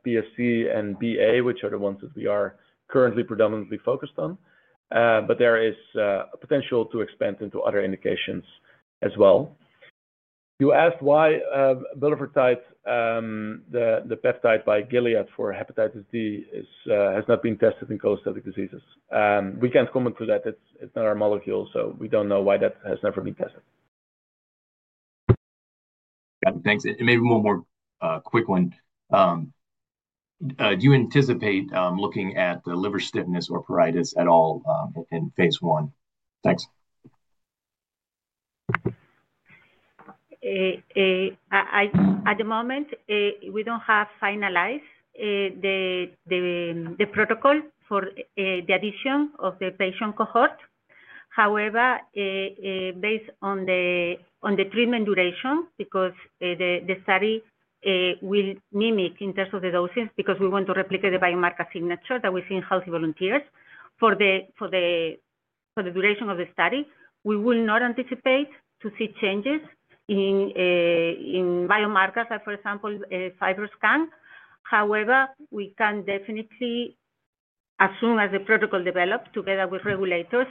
PSC and BA, which are the ones that we are currently predominantly focused on. There is potential to expand into other indications as well. You asked why Bulevirtide, the peptide by Gilead for hepatitis D, has not been tested in cholestatic diseases. We can't comment to that. It's not our molecule, so we don't know why that has never been tested. Thanks. Maybe one more quick one. Do you anticipate looking at liver stiffness or pruritus at all in phase I? Thanks. At the moment, we don't have finalized the protocol for the addition of the patient cohort. However, based on the treatment duration, because the study will mimic in terms of the doses because we want to replicate the biomarker signature that we see in healthy volunteers for the duration of the study, we will not anticipate to see changes in biomarkers, like for example, FibroScan. However, we can definitely, as soon as the protocol is developed together with regulators,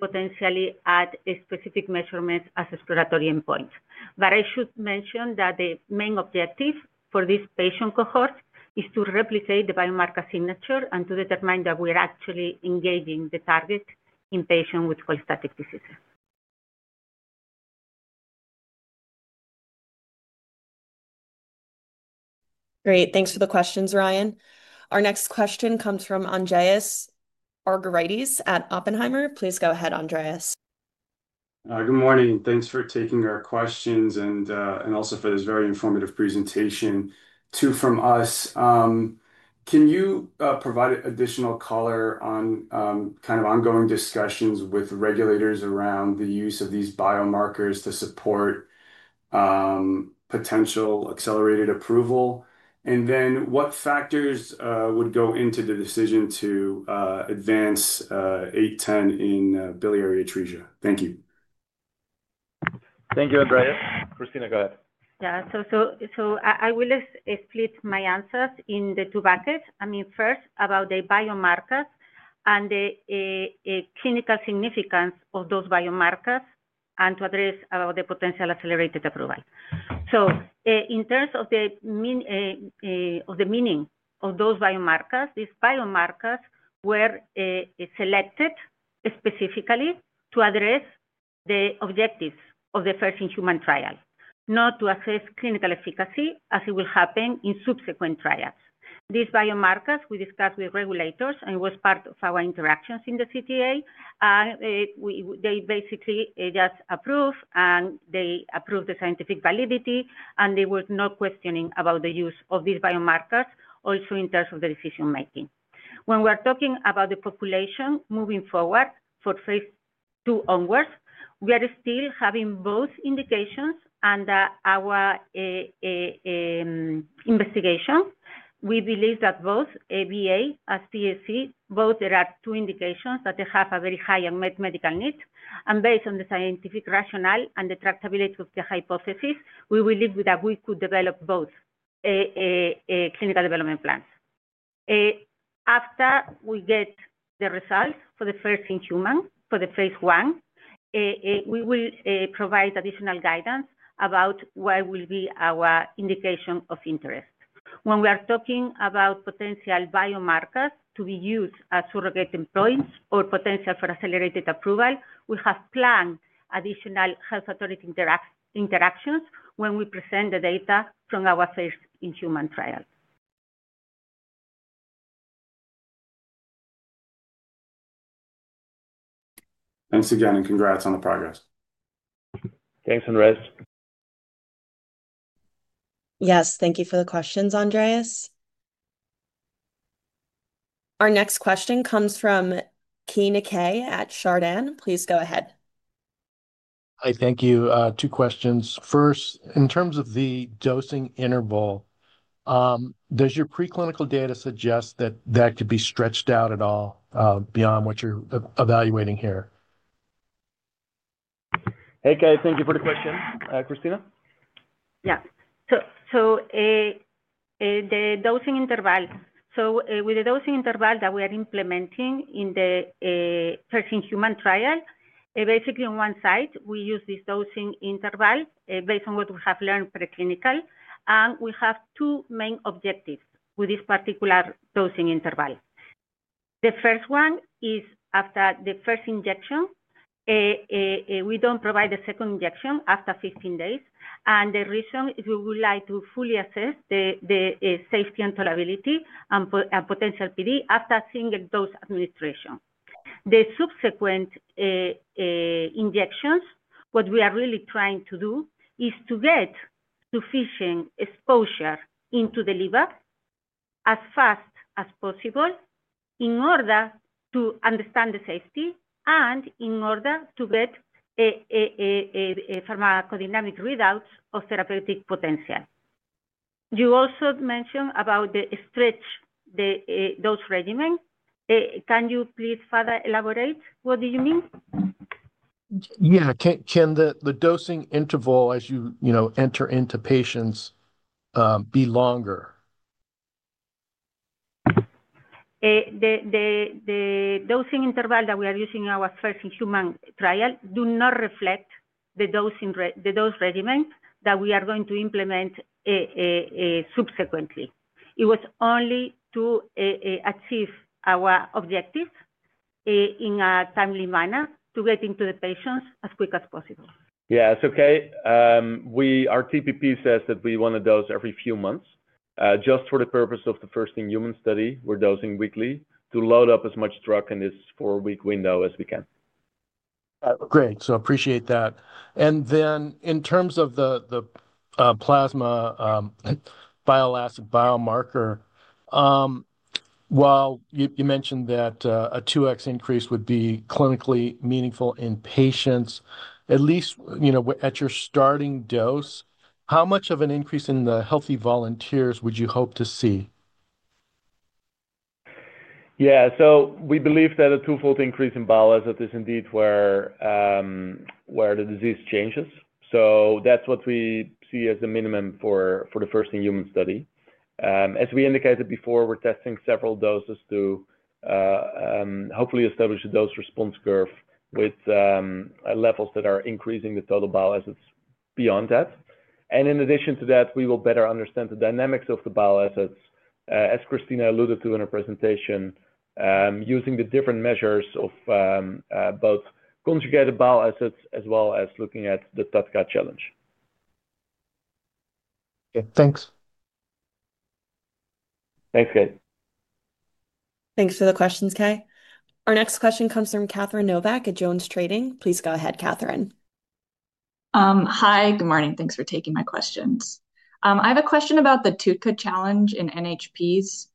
potentially add specific measurements as exploratory endpoints. But I should mention that the main objective for this patient cohort is to replicate the biomarker signature and to determine that we are actually engaging the target in patients with cholestatic diseases. Great. Thanks for the questions, Ryan. Our next question comes from Andreas Argyrides at Oppenheimer. Please go ahead, Andreas. Good morning. Thanks for taking our questions and also for this very informative presentation. Two from us. Can you provide additional color on kind of ongoing discussions with regulators around the use of these biomarkers to support potential accelerated approval? And then what factors would go into the decision to advance AX-0810 in biliary atresia? Thank you. Thank you, Andreas. Cristina, go ahead. Yeah. I will split my answers in the two buckets. I mean, first, about the biomarkers and the clinical significance of those biomarkers and to address about the potential accelerated approval. In terms of the meaning of those biomarkers, these biomarkers were selected specifically to address the objectives of the first in-human trials, not to assess clinical efficacy as it will happen in subsequent trials. These biomarkers we discussed with regulators and were part of our interactions in the CTA. They basically just approved, and they approved the scientific validity, and they were not questioning about the use of these biomarkers also in terms of the decision-making. When we're talking about the population moving forward for phase II onwards, we are still having both indications and our investigation. We believe that both BA as PSC, both there are two indications that they have a very high medical need. And based on the scientific rationale and the tractability of the hypothesis, we will leave with that we could develop both clinical development plans. After we get the results for the first in-human for the phase I, we will provide additional guidance about what will be our indication of interest. When we are talking about potential biomarkers to be used as surrogate employees or potential for accelerated approval, we have planned additional health authority interactions when we present the data from our first in-human trial. Thanks again, and congrats on the progress. Thanks, Andreas. Yes, thank you for the questions, Andreas. Our next question comes from Keay Nakae at Chardan. Please go ahead. Hi, thank you. Two questions. First, in terms of the dosing interval. Does your preclinical data suggest that that could be stretched out at all beyond what you're evaluating here? Hey, Keay, thank you for the question. Cristina? Yeah. The dosing interval. With the dosing interval that we are implementing in the first in-human trial, basically on one side, we use this dosing interval based on what we have learned preclinically. We have two main objectives with this particular dosing interval. The first one is after the first injection. We don't provide the second injection after 15 days. The reason is we would like to fully assess the safety and tolerability and potential PD after a single dose administration. The subsequent injections, what we are really trying to do is to get sufficient exposure into the liver as fast as possible in order to understand the safety and in order to get pharmacodynamic readouts of therapeutic potential. You also mentioned about the stretch, the dose regimen. Can you please further elaborate what do you mean? Yeah. Can the dosing interval, as you enter into patients, be longer? The dosing interval that we are using in our first in-human trial does not reflect the dose regimen that we are going to implement subsequently. It was only to achieve our objective in a timely manner to get into the patients as quick as possible. Yeah, it's okay. Our TPP says that we want to dose every few months. Just for the purpose of the first in-human study, we're dosing weekly to load up as much drug in this four-week window as we can. Great. I appreciate that. And then in terms of the plasma bioelastic biomarker, while you mentioned that a 2x increase would be clinically meaningful in patients, at least at your starting dose, how much of an increase in the healthy volunteers would you hope to see? Yeah. We believe that a twofold increase in bile acid is indeed where the disease changes. So that's what we see as the minimum for the first in-human study. As we indicated before, we're testing several doses to hopefully establish a dose response curve with levels that are increasing the total bile acids beyond that. In addition to that, we will better understand the dynamics of the bile acids, as Cristina alluded to in her presentation, using the different measures of both conjugated bile acids as well as looking at the TUDCA challenge. Okay. Thanks. Thanks, Keay. Thanks for the questions, Keay. Our next question comes from Catherine Novack at JonesTrading. Please go ahead, Catherine. Hi, good morning. Thanks for taking my questions. I have a question about the TUDCA challenge in NHPs.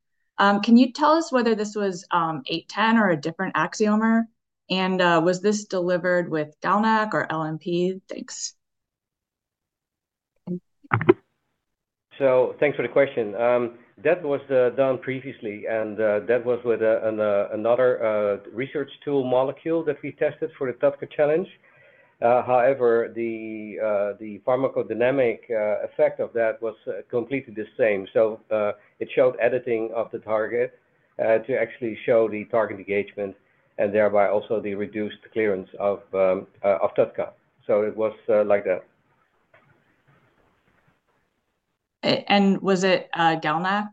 Can you tell us whether this was 810 or a different Axiomer? And was this delivered with GalNAc or LNP? Thanks. Thanks for the question. That was done previously, and that was with another research tool molecule that we tested for the TUDCA challenge. However, the pharmacodynamic effect of that was completely the same. It showed editing of the target to actually show the target engagement and thereby also the reduced clearance of TUDCA. It was like that. And was it GalNAc?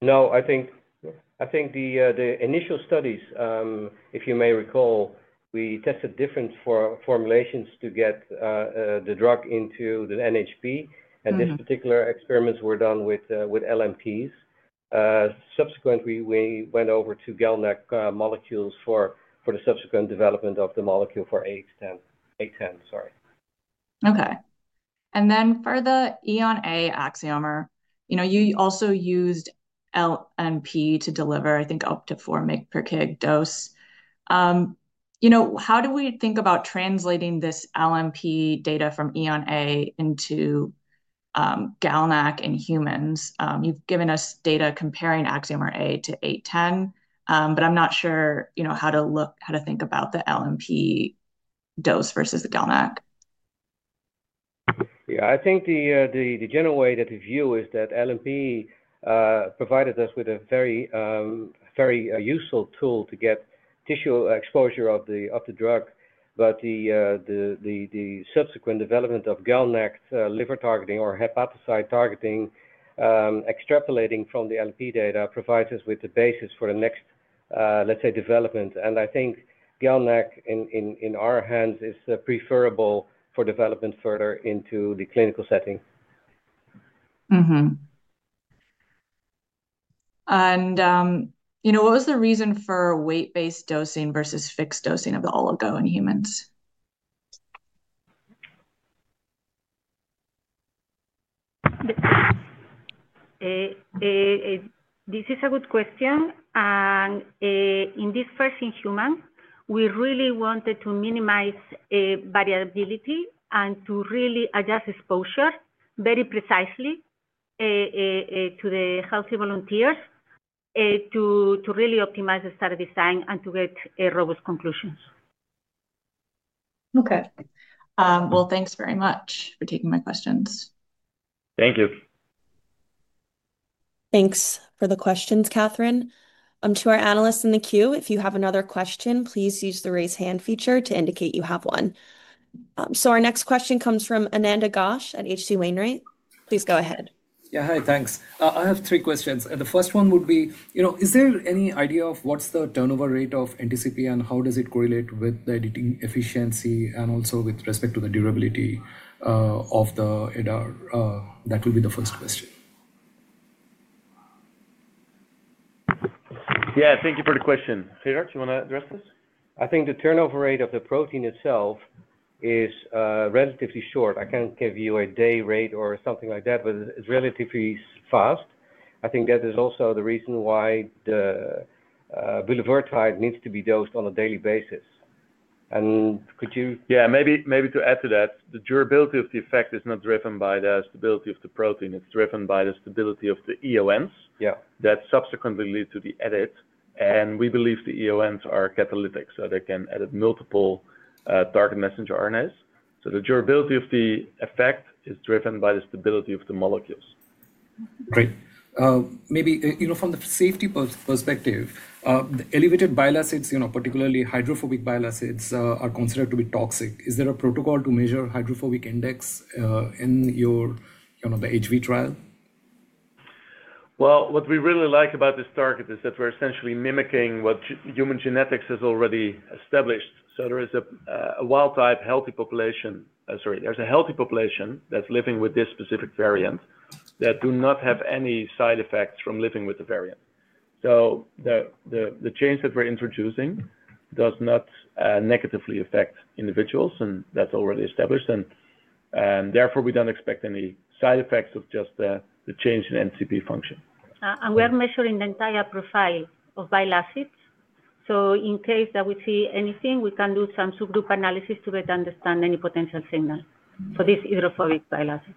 No. I think the initial studies, if you may recall, we tested different formulations to get the drug into the NHP. These particular experiments were done with LNPs. Subsequently, we went over to GalNAc molecules for the subsequent development of the molecule for 810. Sorry. Okay. And then for the EON Axiomer, you also used LNP to deliver, I think, up to four microperk dose. How do we think about translating this LNP data from EON into GalNAc in humans? You've given us data comparing Axiomer AX-0810, but I'm not sure how to think about the LNP dose versus GalNAc. Yeah. I think the general way that we view it is that LNP provided us with a very useful tool to get tissue exposure of the drug. The subsequent development of GalNAc liver targeting or hepatocyte targeting, extrapolating from the LNP data, provides us with the basis for the next, let's say, development. I think GalNAc in our hands is preferable for development further into the clinical setting. What was the reason for weight-based dosing versus fixed dosing of the oligo in humans? This is a good question. In this first in-human, we really wanted to minimize variability and to really adjust exposure very precisely to the healthy volunteers to really optimize the study design and to get robust conclusions. Thank you very much for taking my questions. Thank you. Thanks for the questions, Catherine. To our analysts in the queue, if you have another question, please use the raise hand feature to indicate you have one. Our next question comes from Ananda Ghosh at H.C. Wainwright. Please go ahead. Yeah. Hi, thanks. I have three questions. The first one would be, is there any idea of what's the turnover rate of NTCP, and how does it correlate with the editing efficiency and also with respect to the durability of the ADAR? That would be the first question. Yeah. Thank you for the question. Sarah, do you want to address this? I think the turnover rate of the protein itself is relatively short. I can't give you a day rate or something like that, but it's relatively fast. I think that is also the reason why the Bulevirtide needs to be dosed on a daily basis. Maybe to add to that, the durability of the effect is not driven by the stability of the protein. It's driven by the stability of the EONs that subsequently lead to the edit. We believe the EONs are catalytic, so they can edit multiple target messenger RNAs. The durability of the effect is driven by the stability of the molecules. Great. Maybe from the safety perspective, the elevated bile acids, particularly hydrophobic bile acids, are considered to be toxic. Is there a protocol to measure hydrophobic index in your HV trial? What we really like about this target is that we're essentially mimicking what human genetics has already established. There is a healthy population that's living with this specific variant that do not have any side effects from living with the variant. The change that we're introducing does not negatively affect individuals, and that's already established. Therefore, we don't expect any side effects of just the change in NTCP function. We are measuring the entire profile of bile acids. In case that we see anything, we can do some subgroup analysis to better understand any potential signal for these hydrophobic bile acids.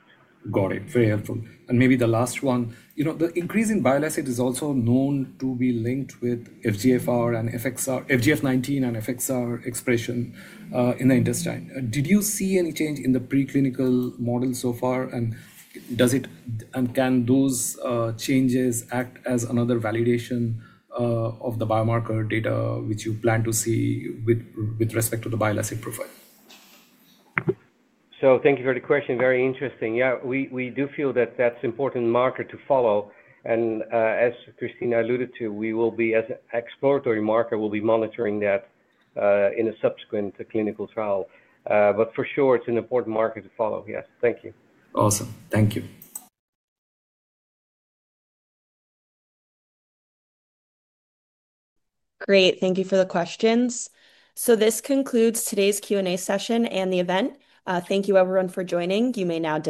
Got it. Very helpful. Maybe the last one, the increase in bile acid is also known to be linked with FGFR and FXR, FGF19 and FXR expression in the intestine. Did you see any change in the preclinical model so far? Can those changes act as another validation of the biomarker data which you plan to see with respect to the bile acid profile? Thank you for the question. Very interesting. Yeah, we do feel that that's an important marker to follow. As Cristina alluded to, we will be, as an exploratory marker, monitoring that in a subsequent clinical trial. For sure, it's an important marker to follow. Yes. Thank you. Awesome. Thank you. Great. Thank you for the questions. This concludes today's Q&A session and the event. Thank you, everyone, for joining. You may now.